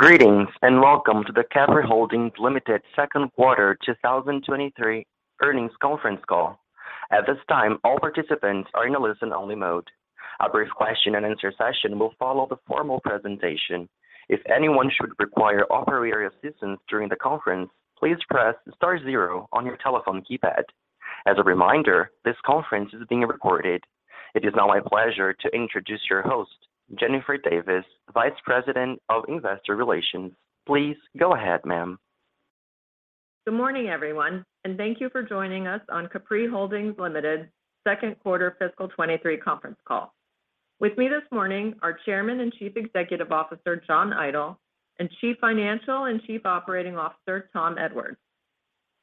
Greetings, and welcome to the Capri Holdings Limited Second Quarter 2023 Earnings Conference Call. At this time, all participants are in a listen-only mode. A brief question-and-answer session will follow the formal presentation. If anyone should require operator assistance during the conference, please press star zero on your telephone keypad. As a reminder, this conference is being recorded. It is now my pleasure to introduce your host, Jennifer Davis, Vice President of Investor Relations. Please go ahead, ma'am. Good morning, everyone, and thank you for joining us on Capri Holdings Limited second quarter fiscal 2023 conference call. With me this morning, our Chairman and Chief Executive Officer, John Idol, and Chief Financial and Chief Operating Officer, Thomas Edwards.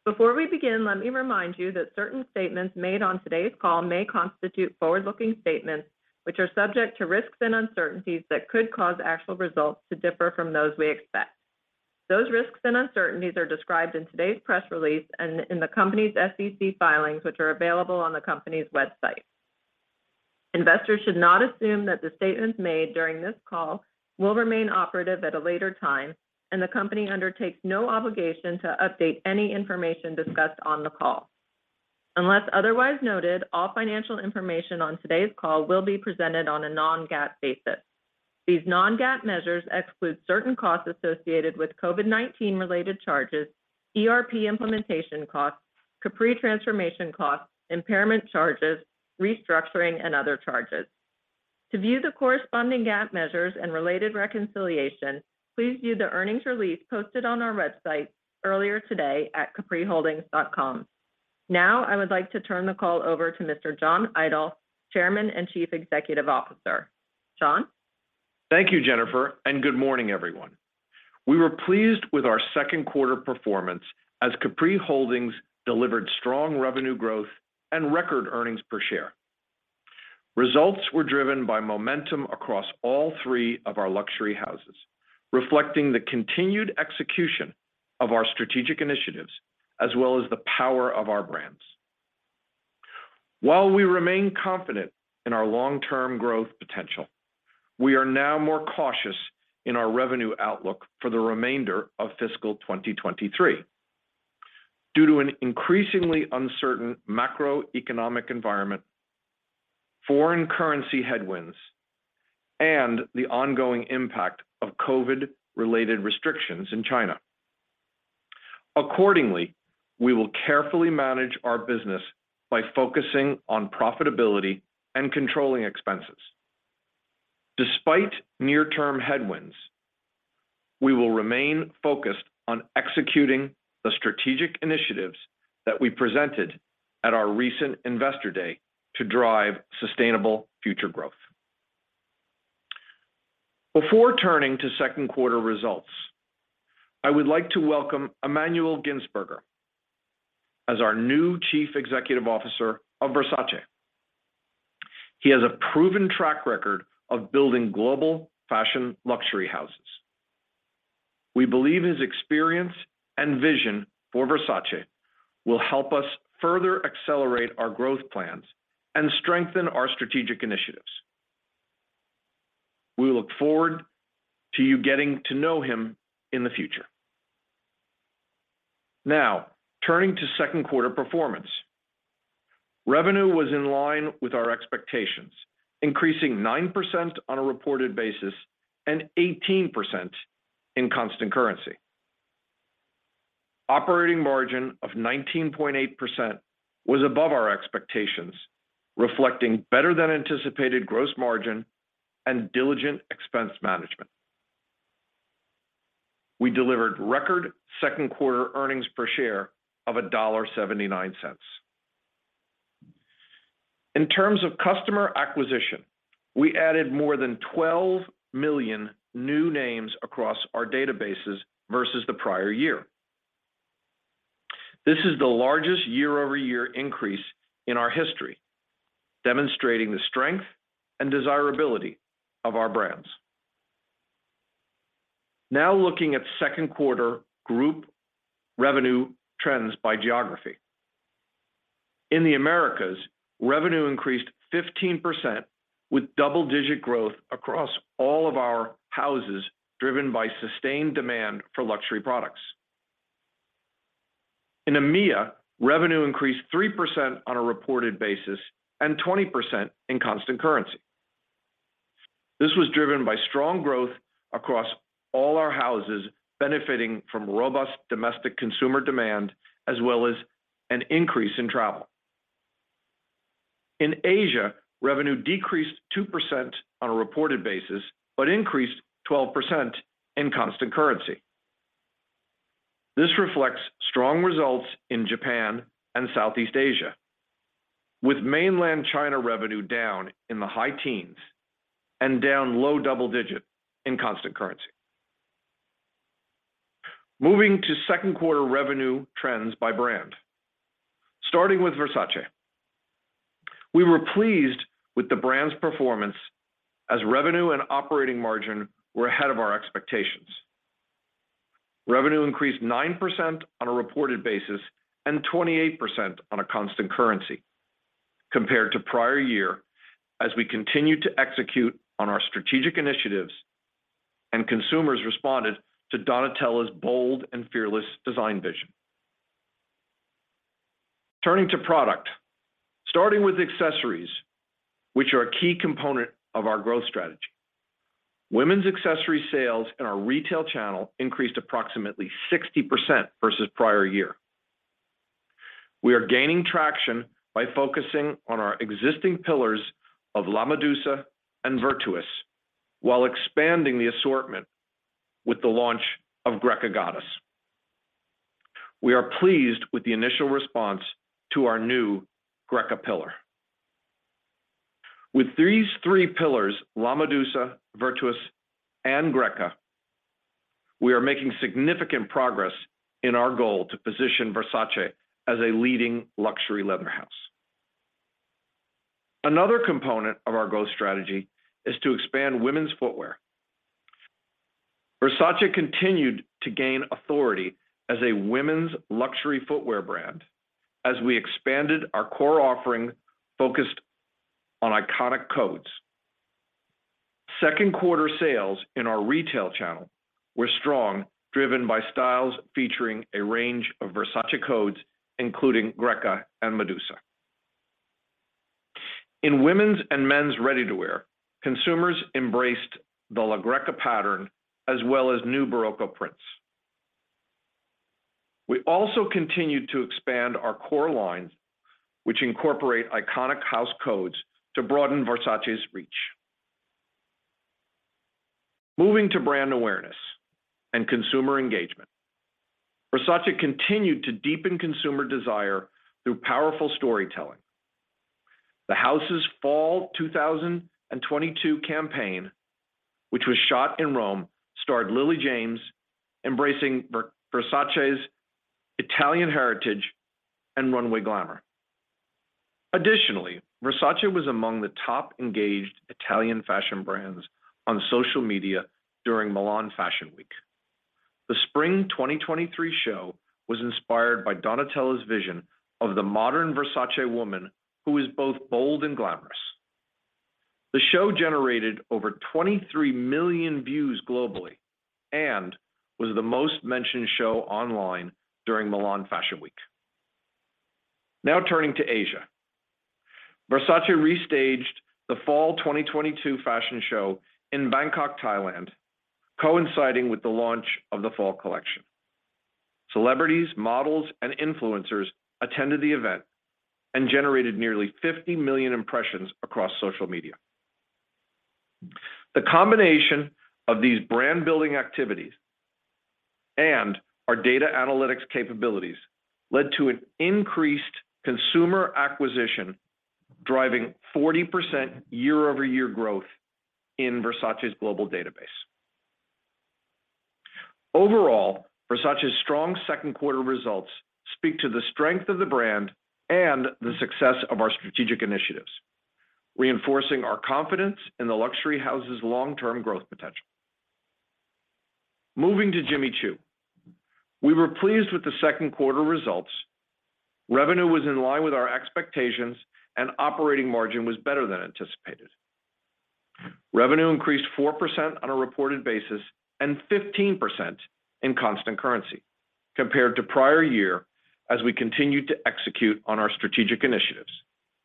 Before we begin, let me remind you that certain statements made on today's call may constitute forward-looking statements, which are subject to risks and uncertainties that could cause actual results to differ from those we expect. Those risks and uncertainties are described in today's press release and in the company's SEC filings, which are available on the company's website. Investors should not assume that the statements made during this call will remain operative at a later time, and the company undertakes no obligation to update any information discussed on the call. Unless otherwise noted, all financial information on today's call will be presented on a non-GAAP basis. These non-GAAP measures exclude certain costs associated with COVID-19 related charges, ERP implementation costs, Capri transformation costs, impairment charges, restructuring, and other charges. To view the corresponding GAAP measures and related reconciliation, please view the earnings release posted on our website earlier today at capriholdings.com. Now, I would like to turn the call over to Mr. John Idol, Chairman and Chief Executive Officer. John? Thank you, Jennifer, and good morning, everyone. We were pleased with our second quarter performance as Capri Holdings delivered strong revenue growth and record earnings per share. Results were driven by momentum across all three of our luxury houses, reflecting the continued execution of our strategic initiatives as well as the power of our brands. While we remain confident in our long-term growth potential, we are now more cautious in our revenue outlook for the remainder of fiscal 2023 due to an increasingly uncertain macroeconomic environment, foreign currency headwinds, and the ongoing impact of COVID-related restrictions in China. Accordingly, we will carefully manage our business by focusing on profitability and controlling expenses. Despite near-term headwinds, we will remain focused on executing the strategic initiatives that we presented at our recent Investor Day to drive sustainable future growth. Before turning to second quarter results, I would like to welcome Emmanuel Gintzburger as our new Chief Executive Officer of Versace. He has a proven track record of building global fashion luxury houses. We believe his experience and vision for Versace will help us further accelerate our growth plans and strengthen our strategic initiatives. We look forward to you getting to know him in the future. Now, turning to second quarter performance. Revenue was in line with our expectations, increasing 9% on a reported basis and 18% in constant currency. Operating margin of 19.8% was above our expectations, reflecting better than anticipated gross margin and diligent expense management. We delivered record second quarter earnings per share of $1.79. In terms of customer acquisition, we added more than 12 million new names across our databases versus the prior year. This is the largest year-over-year increase in our history, demonstrating the strength and desirability of our brands. Now looking at second quarter group revenue trends by geography. In the Americas, revenue increased 15% with double-digit growth across all of our houses, driven by sustained demand for luxury products. In EMEA, revenue increased 3% on a reported basis and 20% in constant currency. This was driven by strong growth across all our houses benefiting from robust domestic consumer demand as well as an increase in travel. In Asia, revenue decreased 2% on a reported basis, but increased 12% in constant currency. This reflects strong results in Japan and Southeast Asia, with mainland China revenue down in the high teens and down low double digit in constant currency. Moving to second quarter revenue trends by brand. Starting with Versace. We were pleased with the brand's performance as revenue and operating margin were ahead of our expectations. Revenue increased 9% on a reported basis and 28% on a constant currency compared to prior year as we continued to execute on our strategic initiatives and consumers responded to Donatella's bold and fearless design vision. Turning to product. Starting with accessories, which are a key component of our growth strategy. Women's accessory sales in our retail channel increased approximately 60% versus prior year. We are gaining traction by focusing on our existing pillars of La Medusa and Virtus while expanding the assortment with the launch of Greca Goddess. We are pleased with the initial response to our new Greca pillar. With these three pillars, La Medusa, Virtus, and Greca, we are making significant progress in our goal to position Versace as a leading luxury leather house. Another component of our growth strategy is to expand women's footwear. Versace continued to gain authority as a women's luxury footwear brand as we expanded our core offering focused on iconic codes. Second quarter sales in our retail channel were strong, driven by styles featuring a range of Versace codes, including Greca and Medusa. In women's and men's ready-to-wear, consumers embraced the La Greca pattern as well as new Baroque prints. We also continued to expand our core lines which incorporate iconic house codes to broaden Versace's reach. Moving to brand awareness and consumer engagement. Versace continued to deepen consumer desire through powerful storytelling. The house's fall 2022 campaign, which was shot in Rome, starred Lily James embracing Versace's Italian heritage and runway glamour. Additionally, Versace was among the top engaged Italian fashion brands on social media during Milan Fashion Week. The spring 2023 show was inspired by Donatella's vision of the modern Versace woman who is both bold and glamorous. The show generated over 23 million views globally and was the most mentioned show online during Milan Fashion Week. Now turning to Asia. Versace restaged the fall 2022 fashion show in Bangkok, Thailand, coinciding with the launch of the fall collection. Celebrities, models, and influencers attended the event and generated nearly 50 million impressions across social media. The combination of these brand-building activities and our data analytics capabilities led to an increased consumer acquisition, driving 40% year-over-year growth in Versace's global database. Overall, Versace's strong second quarter results speak to the strength of the brand and the success of our strategic initiatives, reinforcing our confidence in the luxury house's long-term growth potential. Moving to Jimmy Choo. We were pleased with the second quarter results. Revenue was in line with our expectations, and operating margin was better than anticipated. Revenue increased 4% on a reported basis and 15% in constant currency compared to prior year as we continued to execute on our strategic initiatives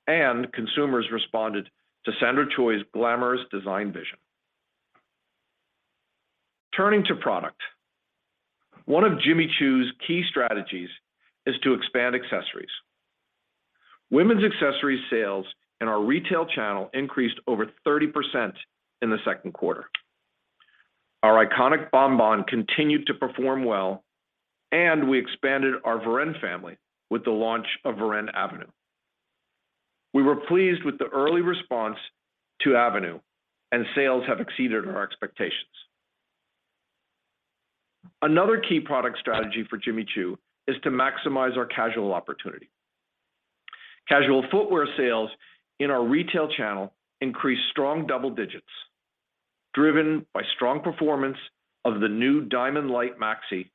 and consumers responded to Sandra Choi's glamorous design vision. Turning to product. One of Jimmy Choo's key strategies is to expand accessories. Women's accessories sales in our retail channel increased over 30% in the second quarter. Our iconic Bon Bon continued to perform well, and we expanded our Varenne Family with the launch of Varenne Avenue. We were pleased with the early response to Avenue, and sales have exceeded our expectations. Another key product strategy for Jimmy Choo is to maximize our casual opportunity. Casual footwear sales in our retail channel increased strong double digits, driven by strong performance of the new Diamond Light Maxi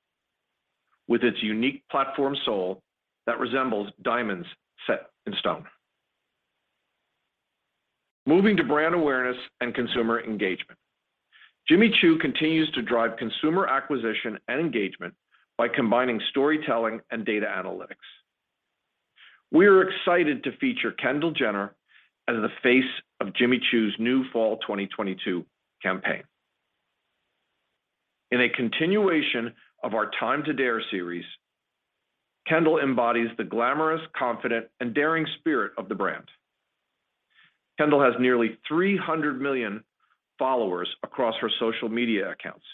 with its unique platform sole that resembles diamonds set in stone. Moving to brand awareness and consumer engagement. Jimmy Choo continues to drive consumer acquisition and engagement by combining storytelling and data analytics. We are excited to feature Kendall Jenner as the face of Jimmy Choo's new fall 2022 campaign. In a continuation of our Time to Dare series, Kendall embodies the glamorous, confident, and daring spirit of the brand. Kendall has nearly 300 million followers across her social media accounts,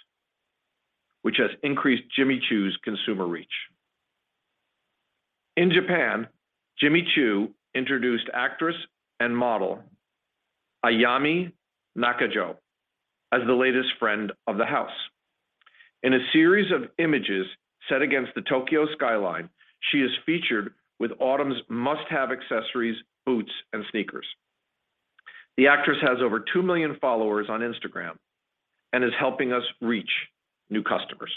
which has increased Jimmy Choo's consumer reach. In Japan, Jimmy Choo introduced actress and model Ayami Nakajo as the latest friend of the house. In a series of images set against the Tokyo skyline, she is featured with autumn's must-have accessories, boots, and sneakers. The actress has over 2 million followers on Instagram and is helping us reach new customers.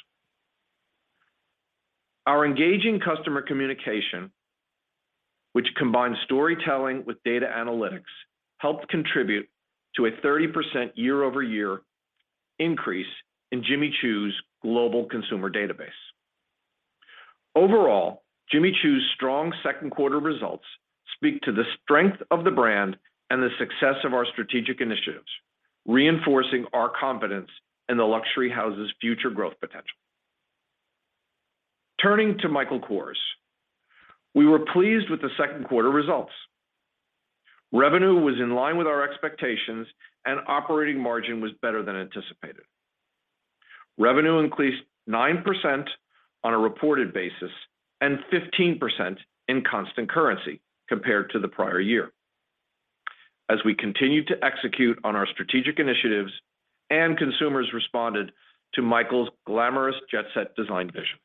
Our engaging customer communication, which combines storytelling with data analytics, helped contribute to a 30% year-over-year increase in Jimmy Choo's global consumer database. Overall, Jimmy Choo's strong second quarter results speak to the strength of the brand and the success of our strategic initiatives, reinforcing our confidence in the luxury house's future growth potential. Turning to Michael Kors. We were pleased with the second quarter results. Revenue was in line with our expectations and operating margin was better than anticipated. Revenue increased 9% on a reported basis and 15% in constant currency compared to the prior year as we continued to execute on our strategic initiatives and consumers responded to Michael's glamorous jet-set design vision.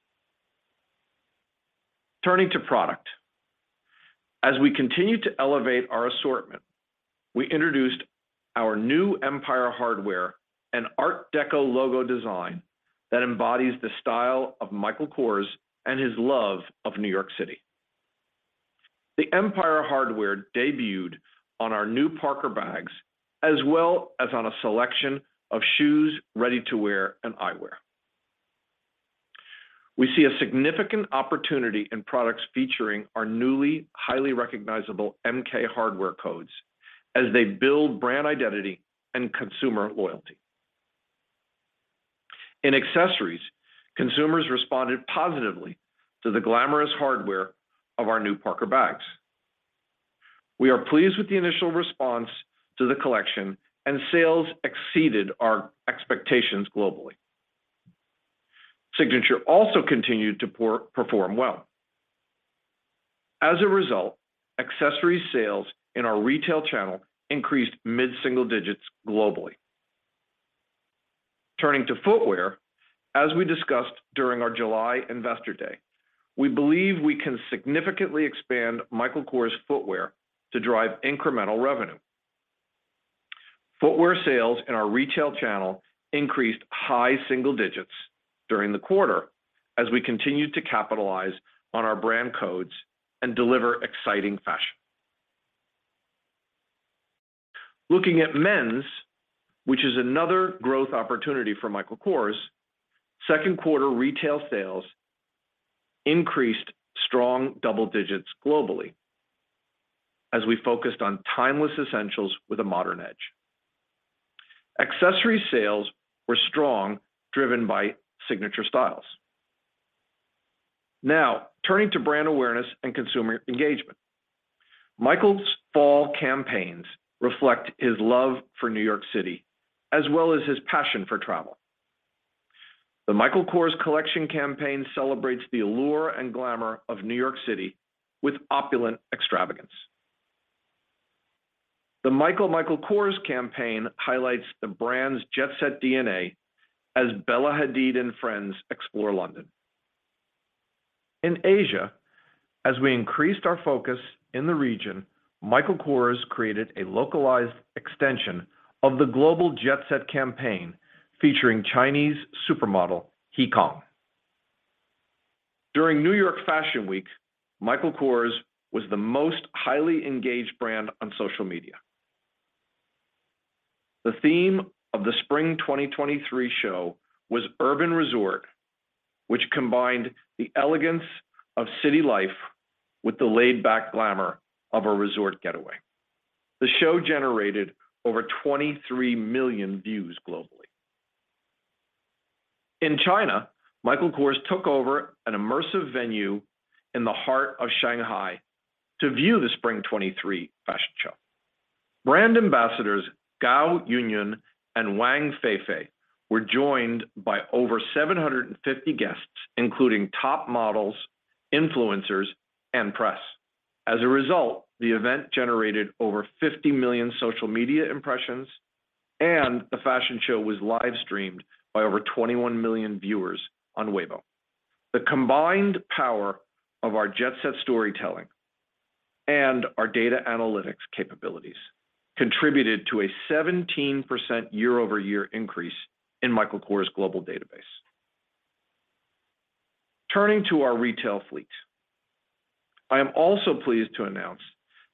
Turning to product. As we continue to elevate our assortment, we introduced our new Empire Hardware, an art deco logo design that embodies the style of Michael Kors and his love of New York City. The Empire Hardware debuted on our new Parker bags as well as on a selection of shoes, ready-to-wear, and eyewear. We see a significant opportunity in products featuring our newly highly recognizable MK hardware codes as they build brand identity and consumer loyalty. In accessories, consumers responded positively to the glamorous hardware of our new Parker bags. We are pleased with the initial response to the collection, and sales exceeded our expectations globally. Signature also continued to perform well. As a result, accessories sales in our retail channel increased mid-single digits globally. Turning to footwear, as we discussed during our July Investor Day, we believe we can significantly expand Michael Kors footwear to drive incremental revenue. Footwear sales in our retail channel increased high single digits during the quarter as we continued to capitalize on our brand codes and deliver exciting fashion. Looking at men's, which is another growth opportunity for Michael Kors, second quarter retail sales increased strong double digits globally as we focused on timeless essentials with a modern edge. Accessory sales were strong, driven by Signature styles. Now turning to brand awareness and consumer engagement. Michael's fall campaigns reflect his love for New York City as well as his passion for travel. The Michael Kors Collection campaign celebrates the allure and glamour of New York City with opulent extravagance. The Michael Michael Kors campaign highlights the brand's jet-set DNA as Bella Hadid and friends explore London. In Asia, as we increased our focus in the region, Michael Kors created a localized extension of the global jet-set campaign featuring Chinese supermodel He Cong. During New York Fashion Week, Michael Kors was the most highly engaged brand on social media. The theme of the spring 2023 show was Urban Resort, which combined the elegance of city life with the laid-back glamour of a resort getaway. The show generated over 23 million views globally. In China, Michael Kors took over an immersive venue in the heart of Shanghai to view the spring 2023 fashion show. Brand ambassadors Gao Yuanyuan and Wang Feifei were joined by over 750 guests, including top models, influencers, and press. As a result, the event generated over 50 million social media impressions, and the fashion show was live-streamed by over 21 million viewers on Weibo. The combined power of our jet-set storytelling and our data analytics capabilities contributed to a 17% year-over-year increase in Michael Kors' global database. Turning to our retail fleet. I am also pleased to announce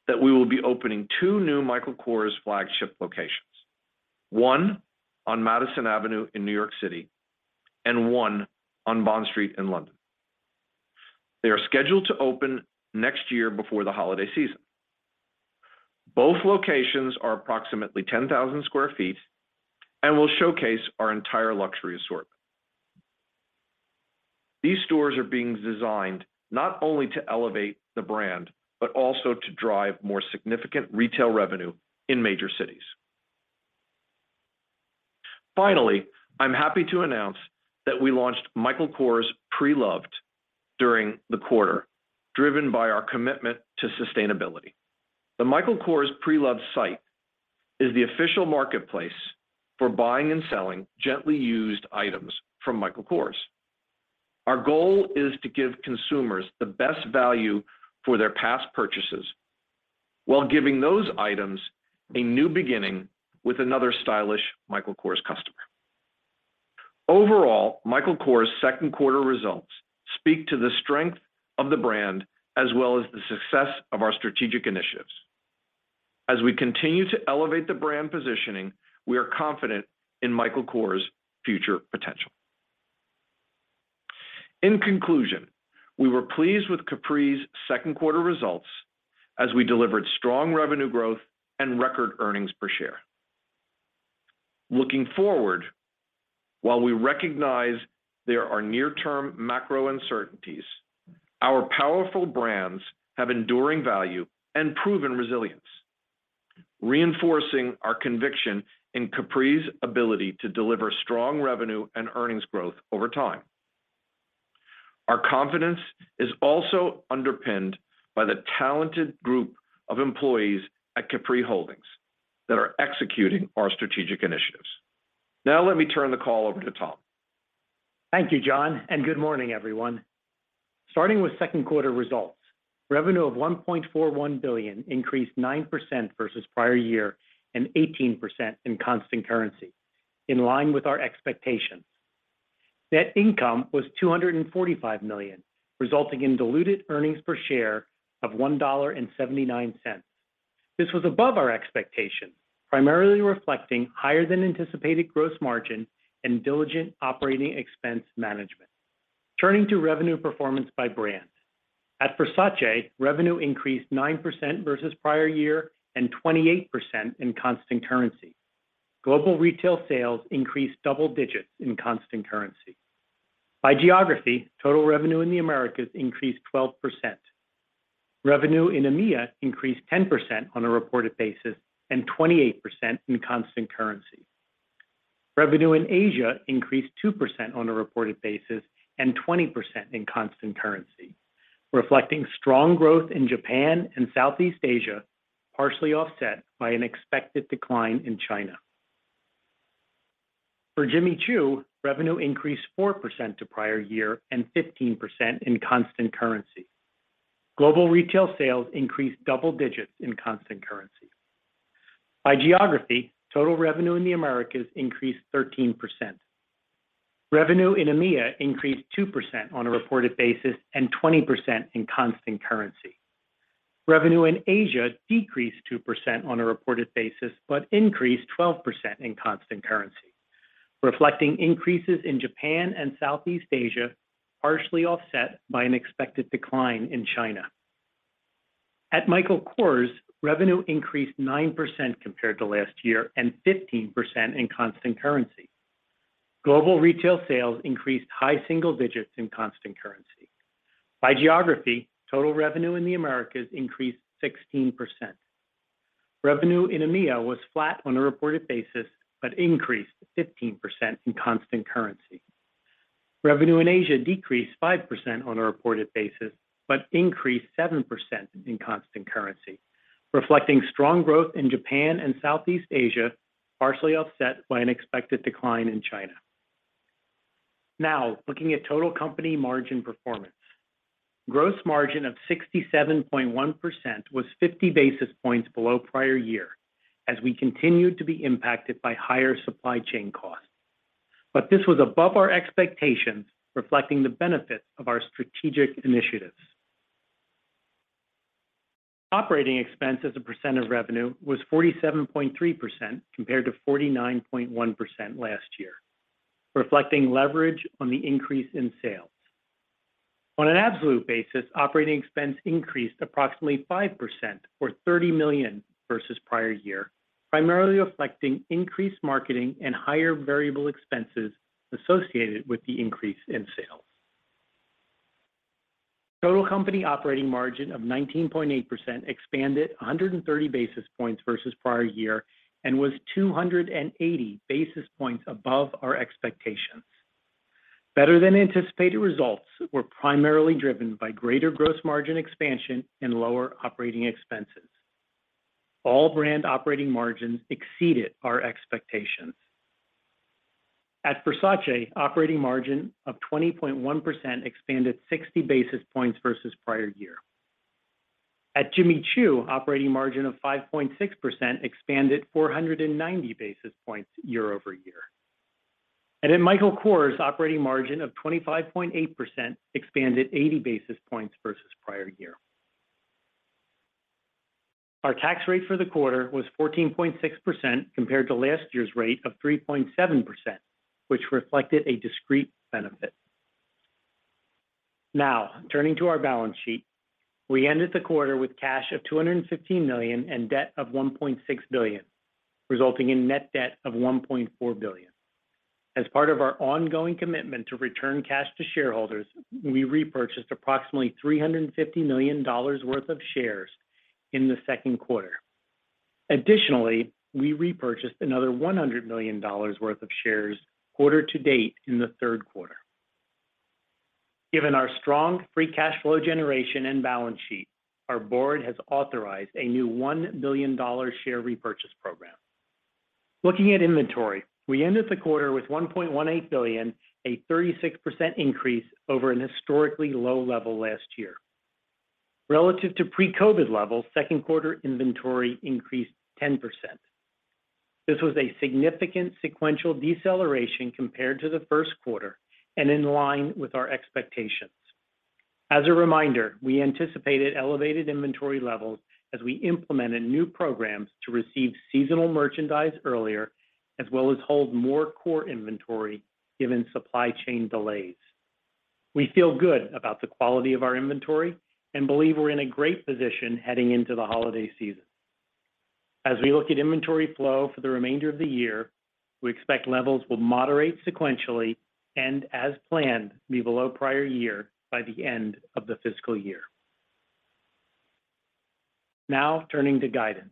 that we will be opening two new Michael Kors flagship locations, one on Madison Avenue in New York City and one on Bond Street in London. They are scheduled to open next year before the holiday season. Both locations are approximately 10,000 sq ft and will showcase our entire luxury assortment. These stores are being designed not only to elevate the brand, but also to drive more significant retail revenue in major cities. Finally, I'm happy to announce that we launched Michael Kors Pre-Loved during the quarter, driven by our commitment to sustainability. The Michael Kors Pre-Loved site is the official marketplace for buying and selling gently used items from Michael Kors. Our goal is to give consumers the best value for their past purchases while giving those items a new beginning with another stylish Michael Kors customer. Overall, Michael Kors' second quarter results speak to the strength of the brand as well as the success of our strategic initiatives. As we continue to elevate the brand positioning, we are confident in Michael Kors' future potential. In conclusion, we were pleased with Capri's second quarter results as we delivered strong revenue growth and record earnings per share. Looking forward, while we recognize there are near-term macro uncertainties, our powerful brands have enduring value and proven resilience, reinforcing our conviction in Capri's ability to deliver strong revenue and earnings growth over time. Our confidence is also underpinned by the talented group of employees at Capri Holdings that are executing our strategic initiatives. Now let me turn the call over to Tom. Thank you, John, and good morning, everyone. Starting with second quarter results, revenue of $1.41 billion increased 9% versus prior year and 18% in constant currency, in line with our expectations. Net income was $245 million, resulting in diluted earnings per share of $1.79. This was above our expectations, primarily reflecting higher than anticipated gross margin and diligent operating expense management. Turning to revenue performance by brand. At Versace, revenue increased 9% versus prior year and 28% in constant currency. Global retail sales increased double digits in constant currency. By geography, total revenue in the Americas increased 12%. Revenue in EMEA increased 10% on a reported basis and 28% in constant currency. Revenue in Asia increased 2% on a reported basis and 20% in constant currency, reflecting strong growth in Japan and Southeast Asia, partially offset by an expected decline in China. For Jimmy Choo, revenue increased 4% to prior year and 15% in constant currency. Global retail sales increased double digits in constant currency. By geography, total revenue in the Americas increased 13%. Revenue in EMEA increased 2% on a reported basis and 20% in constant currency. Revenue in Asia decreased 2% on a reported basis, but increased 12% in constant currency, reflecting increases in Japan and Southeast Asia, partially offset by an expected decline in China. At Michael Kors, revenue increased 9% compared to last year and 15% in constant currency. Global retail sales increased high single digits in constant currency. By geography, total revenue in the Americas increased 16%. Revenue in EMEA was flat on a reported basis, but increased 15% in constant currency. Revenue in Asia decreased 5% on a reported basis, but increased 7% in constant currency, reflecting strong growth in Japan and Southeast Asia, partially offset by an expected decline in China. Now, looking at total company margin performance. Gross margin of 67.1% was 50 basis points below prior year as we continued to be impacted by higher supply chain costs. This was above our expectations, reflecting the benefits of our strategic initiatives. Operating expense as a percent of revenue was 47.3% compared to 49.1% last year, reflecting leverage on the increase in sales. On an absolute basis, operating expense increased approximately 5% or $30 million versus prior year, primarily reflecting increased marketing and higher variable expenses associated with the increase in sales. Total company operating margin of 19.8% expanded 130 basis points versus prior year and was 280 basis points above our expectations. Better than anticipated results were primarily driven by greater gross margin expansion and lower operating expenses. All brand operating margins exceeded our expectations. At Versace, operating margin of 20.1% expanded 60 basis points versus prior year. At Jimmy Choo, operating margin of 5.6% expanded 490 basis points year over year. At Michael Kors, operating margin of 25.8% expanded 80 basis points versus prior year. Our tax rate for the quarter was 14.6% compared to last year's rate of 3.7%, which reflected a discrete benefit. Now, turning to our balance sheet, we ended the quarter with cash of $215 million and debt of $1.6 billion, resulting in net debt of $1.4 billion. As part of our ongoing commitment to return cash to shareholders, we repurchased approximately $350 million worth of shares in the second quarter. Additionally, we repurchased another $100 million worth of shares quarter to date in the third quarter. Given our strong free cash flow generation and balance sheet, our board has authorized a new $1 billion share repurchase program. Looking at inventory, we ended the quarter with $1.18 billion, a 36% increase over an historically low level last year. Relative to pre-COVID levels, second quarter inventory increased 10%. This was a significant sequential deceleration compared to the first quarter and in line with our expectations. As a reminder, we anticipated elevated inventory levels as we implemented new programs to receive seasonal merchandise earlier, as well as hold more core inventory given supply chain delays. We feel good about the quality of our inventory and believe we're in a great position heading into the holiday season. As we look at inventory flow for the remainder of the year, we expect levels will moderate sequentially and, as planned, be below prior year by the end of the fiscal year. Now turning to guidance.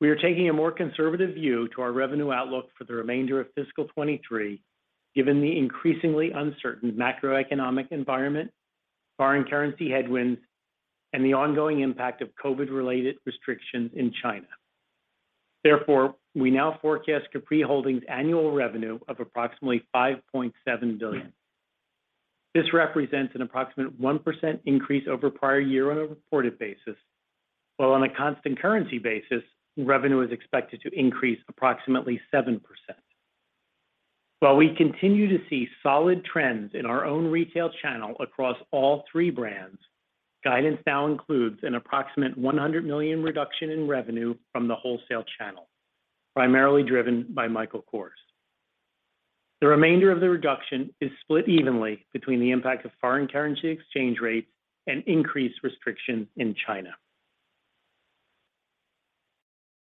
We are taking a more conservative view to our revenue outlook for the remainder of fiscal 2023, given the increasingly uncertain macroeconomic environment, foreign currency headwinds, and the ongoing impact of COVID-related restrictions in China. Therefore, we now forecast Capri Holdings' annual revenue of approximately $5.7 billion. This represents an approximate 1% increase over prior year on a reported basis, while on a constant currency basis, revenue is expected to increase approximately 7%. While we continue to see solid trends in our own retail channel across all three brands, guidance now includes an approximate $100 million reduction in revenue from the wholesale channel, primarily driven by Michael Kors. The remainder of the reduction is split evenly between the impact of foreign currency exchange rates and increased restrictions in China.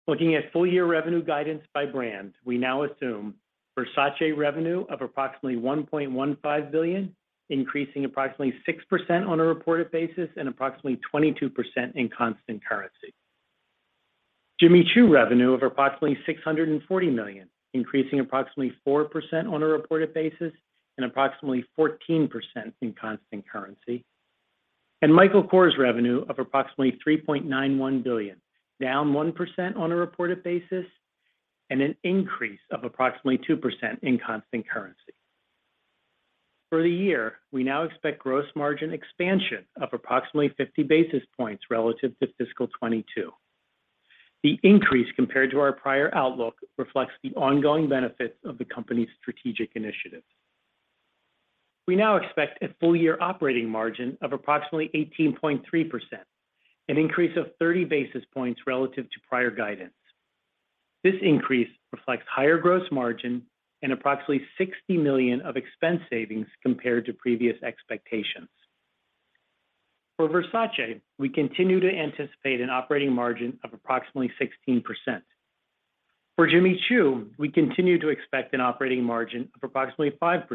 Looking at full-year revenue guidance by brand, we now assume Versace revenue of approximately $1.15 billion, increasing approximately 6% on a reported basis and approximately 22% in constant currency. Jimmy Choo revenue of approximately $640 million, increasing approximately 4% on a reported basis and approximately 14% in constant currency. Michael Kors revenue of approximately $3.91 billion, down 1% on a reported basis and an increase of approximately 2% in constant currency. For the year, we now expect gross margin expansion of approximately 50 basis points relative to fiscal 2022. The increase compared to our prior outlook reflects the ongoing benefits of the company's strategic initiatives. We now expect a full year operating margin of approximately 18.3%, an increase of 30 basis points relative to prior guidance. This increase reflects higher gross margin and approximately $60 million of expense savings compared to previous expectations. For Versace, we continue to anticipate an operating margin of approximately 16%. For Jimmy Choo, we continue to expect an operating margin of approximately 5%.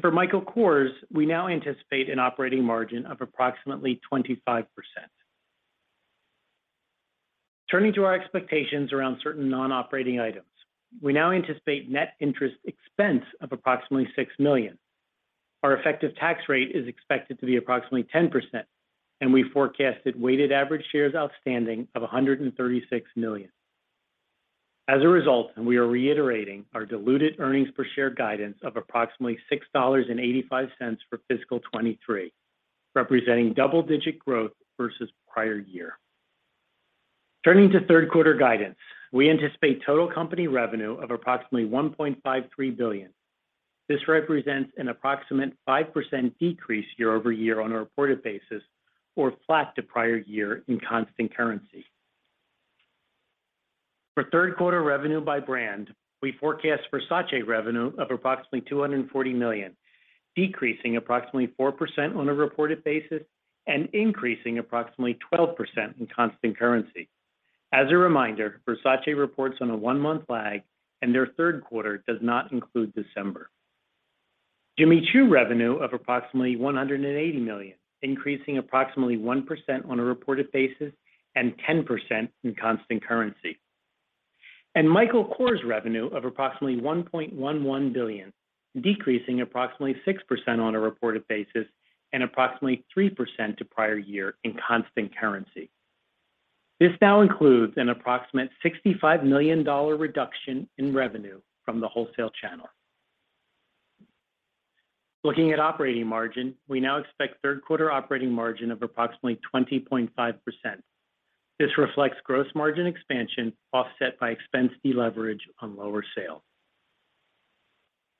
For Michael Kors, we now anticipate an operating margin of approximately 25%. Turning to our expectations around certain non-operating items. We now anticipate net interest expense of approximately $6 million. Our effective tax rate is expected to be approximately 10%, and we forecasted weighted average shares outstanding of 136 million. As a result, we are reiterating our diluted earnings per share guidance of approximately $6.85 for fiscal 2023, representing double-digit growth versus prior year. Turning to third quarter guidance, we anticipate total company revenue of approximately $1.53 billion. This represents an approximate 5% decrease year-over-year on a reported basis or flat to prior year in constant currency. For third quarter revenue by brand, we forecast Versace revenue of approximately $240 million, decreasing approximately 4% on a reported basis and increasing approximately 12% in constant currency. As a reminder, Versace reports on a one-month lag, and their third quarter does not include December. Jimmy Choo revenue of approximately $180 million, increasing approximately 1% on a reported basis and 10% in constant currency. Michael Kors revenue of approximately $1.11 billion, decreasing approximately 6% on a reported basis and approximately 3% to prior year in constant currency. This now includes an approximate $65 million reduction in revenue from the wholesale channel. Looking at operating margin, we now expect third quarter operating margin of approximately 20.5%. This reflects gross margin expansion offset by expense deleverage on lower sales.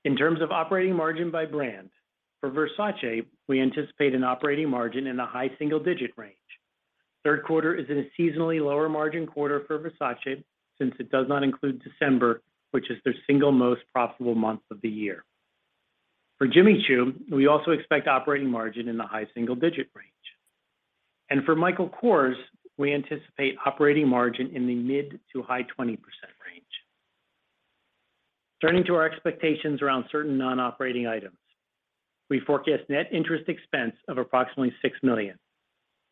In terms of operating margin by brand, for Versace, we anticipate an operating margin in the high single-digit% range. Third quarter is in a seasonally lower margin quarter for Versace, since it does not include December, which is their single most profitable month of the year. For Jimmy Choo, we also expect operating margin in the high single-digit% range. For Michael Kors, we anticipate operating margin in the mid- to high-20% range. Turning to our expectations around certain non-operating items. We forecast net interest expense of approximately $6 million,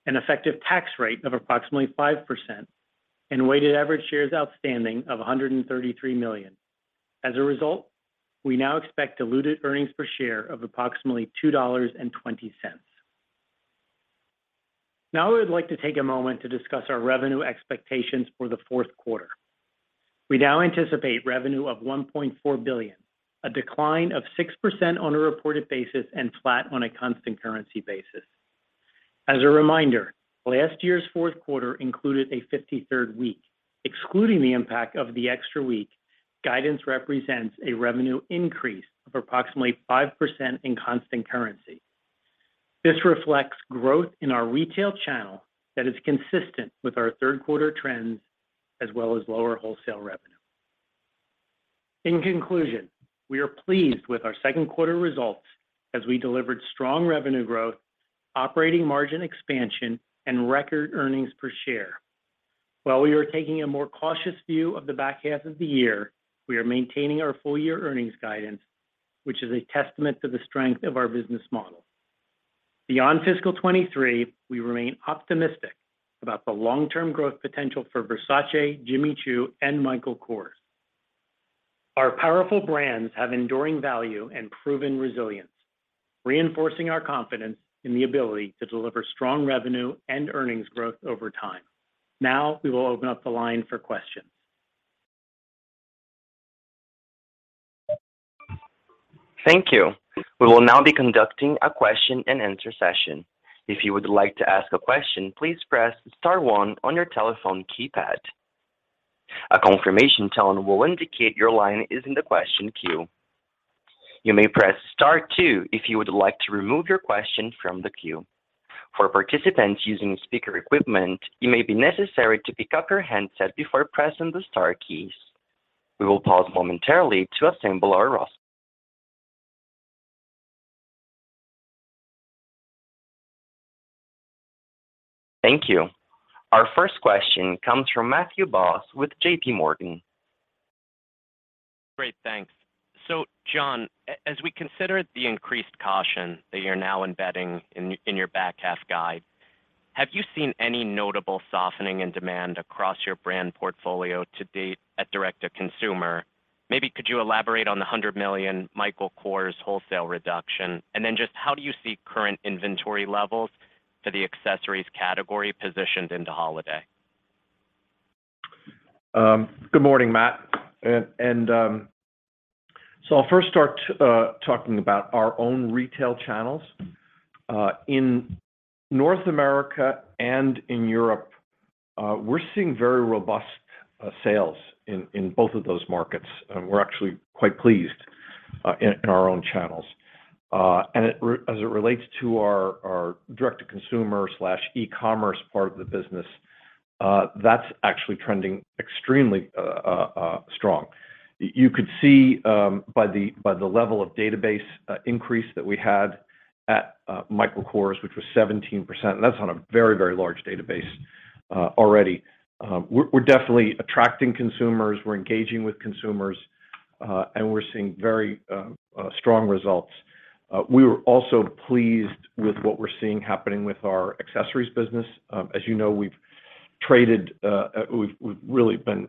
an effective tax rate of approximately 5%, and weighted average shares outstanding of 133 million. As a result, we now expect diluted earnings per share of approximately $2.20. Now I would like to take a moment to discuss our revenue expectations for the fourth quarter. We now anticipate revenue of $1.4 billion, a decline of 6% on a reported basis and flat on a constant currency basis. As a reminder, last year's fourth quarter included a 53rd week. Excluding the impact of the extra week, guidance represents a revenue increase of approximately 5% in constant currency. This reflects growth in our retail channel that is consistent with our third quarter trends as well as lower wholesale revenue. In conclusion, we are pleased with our second quarter results as we delivered strong revenue growth, operating margin expansion, and record earnings per share. While we are taking a more cautious view of the back half of the year, we are maintaining our full year earnings guidance, which is a testament to the strength of our business model. Beyond fiscal 2023, we remain optimistic about the long-term growth potential for Versace, Jimmy Choo and Michael Kors. Our powerful brands have enduring value and proven resilience, reinforcing our confidence in the ability to deliver strong revenue and earnings growth over time. Now we will open up the line for questions. Thank you. We will now be conducting a question-and-answer session. If you would like to ask a question, please press star one on your telephone keypad. A confirmation tone will indicate your line is in the question queue. You may press star two if you would like to remove your question from the queue. For participants using speaker equipment, it may be necessary to pick up your handset before pressing the star keys. We will pause momentarily to assemble our roster. Thank you. Our first question comes from Matthew Boss with JPMorgan. Great. Thanks. John, as we consider the increased caution that you're now embedding in your back half guide, have you seen any notable softening in demand across your brand portfolio to date at direct-to-consumer? Maybe could you elaborate on the $100 million Michael Kors wholesale reduction? And then just how do you see current inventory levels for the accessories category positioned into holiday? Good morning, Matt. I'll first start talking about our own retail channels. In North America and in Europe, we're seeing very robust sales in both of those markets. We're actually quite pleased in our own channels. As it relates to our direct-to-consumer/e-commerce part of the business, that's actually trending extremely strong. You could see by the level of database increase that we had at Michael Kors, which was 17%, and that's on a very large database already. We're definitely attracting consumers. We're engaging with consumers, and we're seeing very strong results. We were also pleased with what we're seeing happening with our accessories business. As you know, we've really been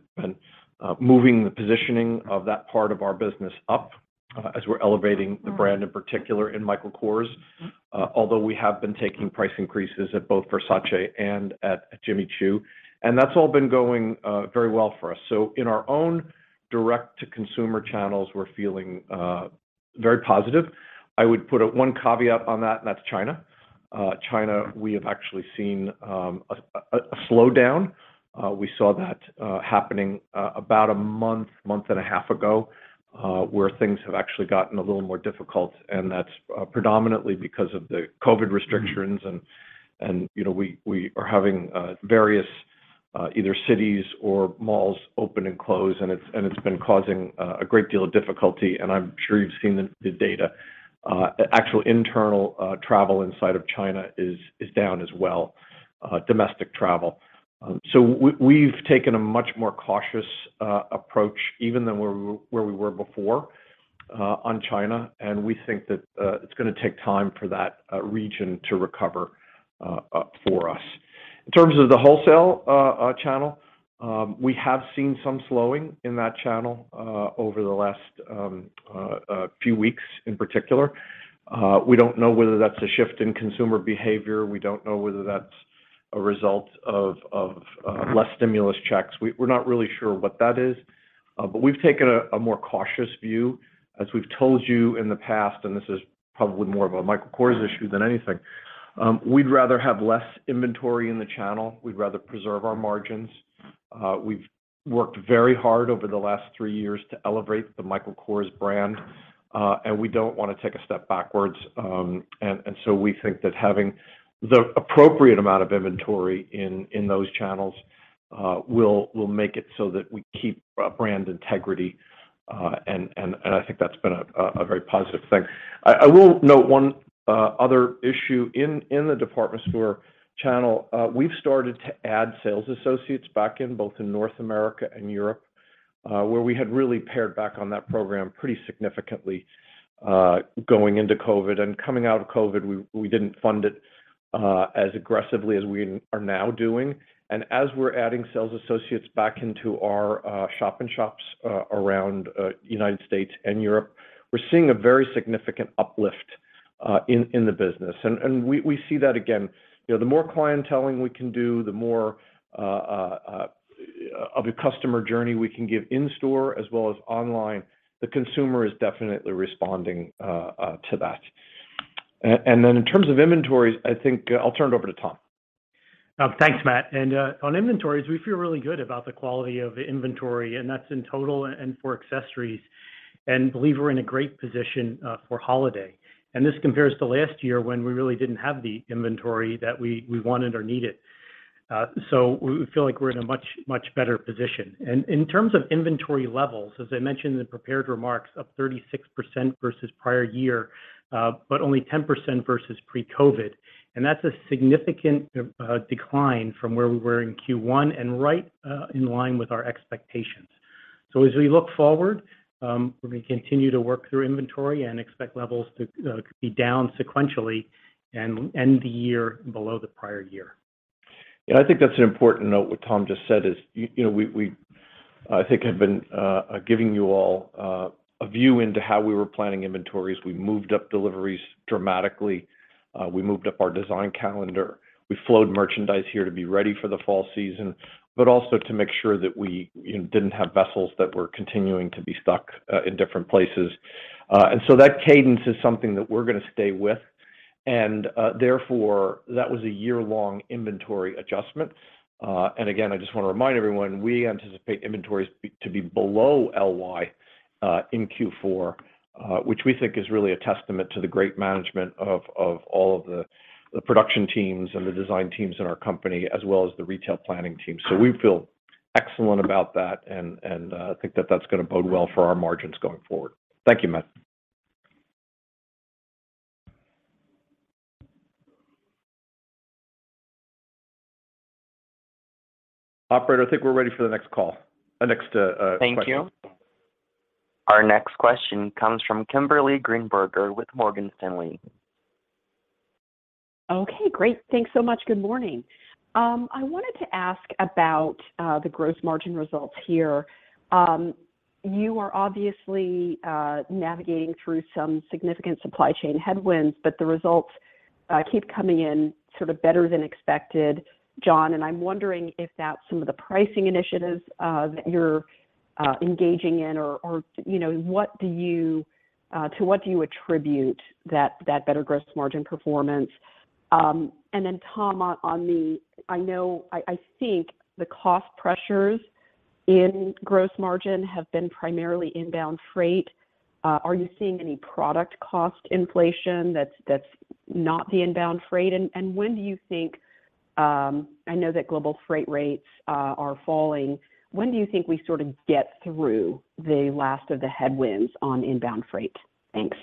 moving the positioning of that part of our business up, as we're elevating the brand, in particular in Michael Kors, although we have been taking price increases at both Versace and at Jimmy Choo. That's all been going very well for us. In our own direct-to-consumer channels, we're feeling very positive. I would put one caveat on that, and that's China. China, we have actually seen a slowdown. We saw that happening about a month and a half ago, where things have actually gotten a little more difficult, and that's predominantly because of the COVID restrictions. You know, we are having various either cities or malls open and close, and it's been causing a great deal of difficulty. I'm sure you've seen the data. Actual internal travel inside of China is down as well, domestic travel. We've taken a much more cautious approach even than where we were before on China, and we think that it's gonna take time for that region to recover for us. In terms of the wholesale channel, we have seen some slowing in that channel over the last few weeks in particular. We don't know whether that's a shift in consumer behavior. We don't know whether that's a result of less stimulus checks. We're not really sure what that is. We've taken a more cautious view. As we've told you in the past, this is probably more of a Michael Kors issue than anything. We'd rather have less inventory in the channel. We'd rather preserve our margins. We've worked very hard over the last three years to elevate the Michael Kors brand, and we don't want to take a step backwards. We think that having the appropriate amount of inventory in those channels will make it so that we keep brand integrity. I think that's been a very positive thing. I will note one other issue. In the department store channel, we've started to add sales associates back in, both in North America and Europe, where we had really pared back on that program pretty significantly, going into COVID. Coming out of COVID, we didn't fund it as aggressively as we are now doing. As we're adding sales associates back into our shop-in-shops around United States and Europe, we're seeing a very significant uplift in the business. We see that again. You know, the more clienteling we can do, the more of a customer journey we can give in store as well as online, the consumer is definitely responding to that. In terms of inventories, I think I'll turn it over to Tom. Thanks, Matt. On inventories, we feel really good about the quality of the inventory, and that's in total and for accessories, and believe we're in a great position for holiday. This compares to last year when we really didn't have the inventory that we wanted or needed. We feel like we're in a much, much better position. In terms of inventory levels, as I mentioned in the prepared remarks, up 36% versus prior year, but only 10% versus pre-COVID. That's a significant decline from where we were in Q1 and right in line with our expectations. As we look forward, we're gonna continue to work through inventory and expect levels to be down sequentially and end the year below the prior year. Yeah, I think that's an important note. What Tom just said is, you know, I think we have been giving you all a view into how we were planning inventories. We moved up deliveries dramatically. We moved up our design calendar. We flowed merchandise here to be ready for the fall season, but also to make sure that we, you know, didn't have vessels that were continuing to be stuck in different places. That cadence is something that we're gonna stay with. Therefore, that was a year-long inventory adjustment. Again, I just wanna remind everyone, we anticipate inventories to be below LY in Q4, which we think is really a testament to the great management of all of the production teams and the design teams in our company, as well as the retail planning team. We feel excellent about that and think that that's gonna bode well for our margins going forward. Thank you, Matt. Operator, I think we're ready for the next call. Next question. Thank you. Our next question comes from Kimberly Greenberger with Morgan Stanley. Okay, great. Thanks so much. Good morning. I wanted to ask about the gross margin results here. You are obviously navigating through some significant supply chain headwinds, but the results keep coming in sort of better than expected, John, and I'm wondering if that's some of the pricing initiatives that you're engaging in or, you know, to what do you attribute that better gross margin performance? Tom, I think the cost pressures in gross margin have been primarily inbound freight. Are you seeing any product cost inflation that's not the inbound freight? When do you think, I know that global freight rates are falling, we sort of get through the last of the headwinds on inbound freight? Thanks.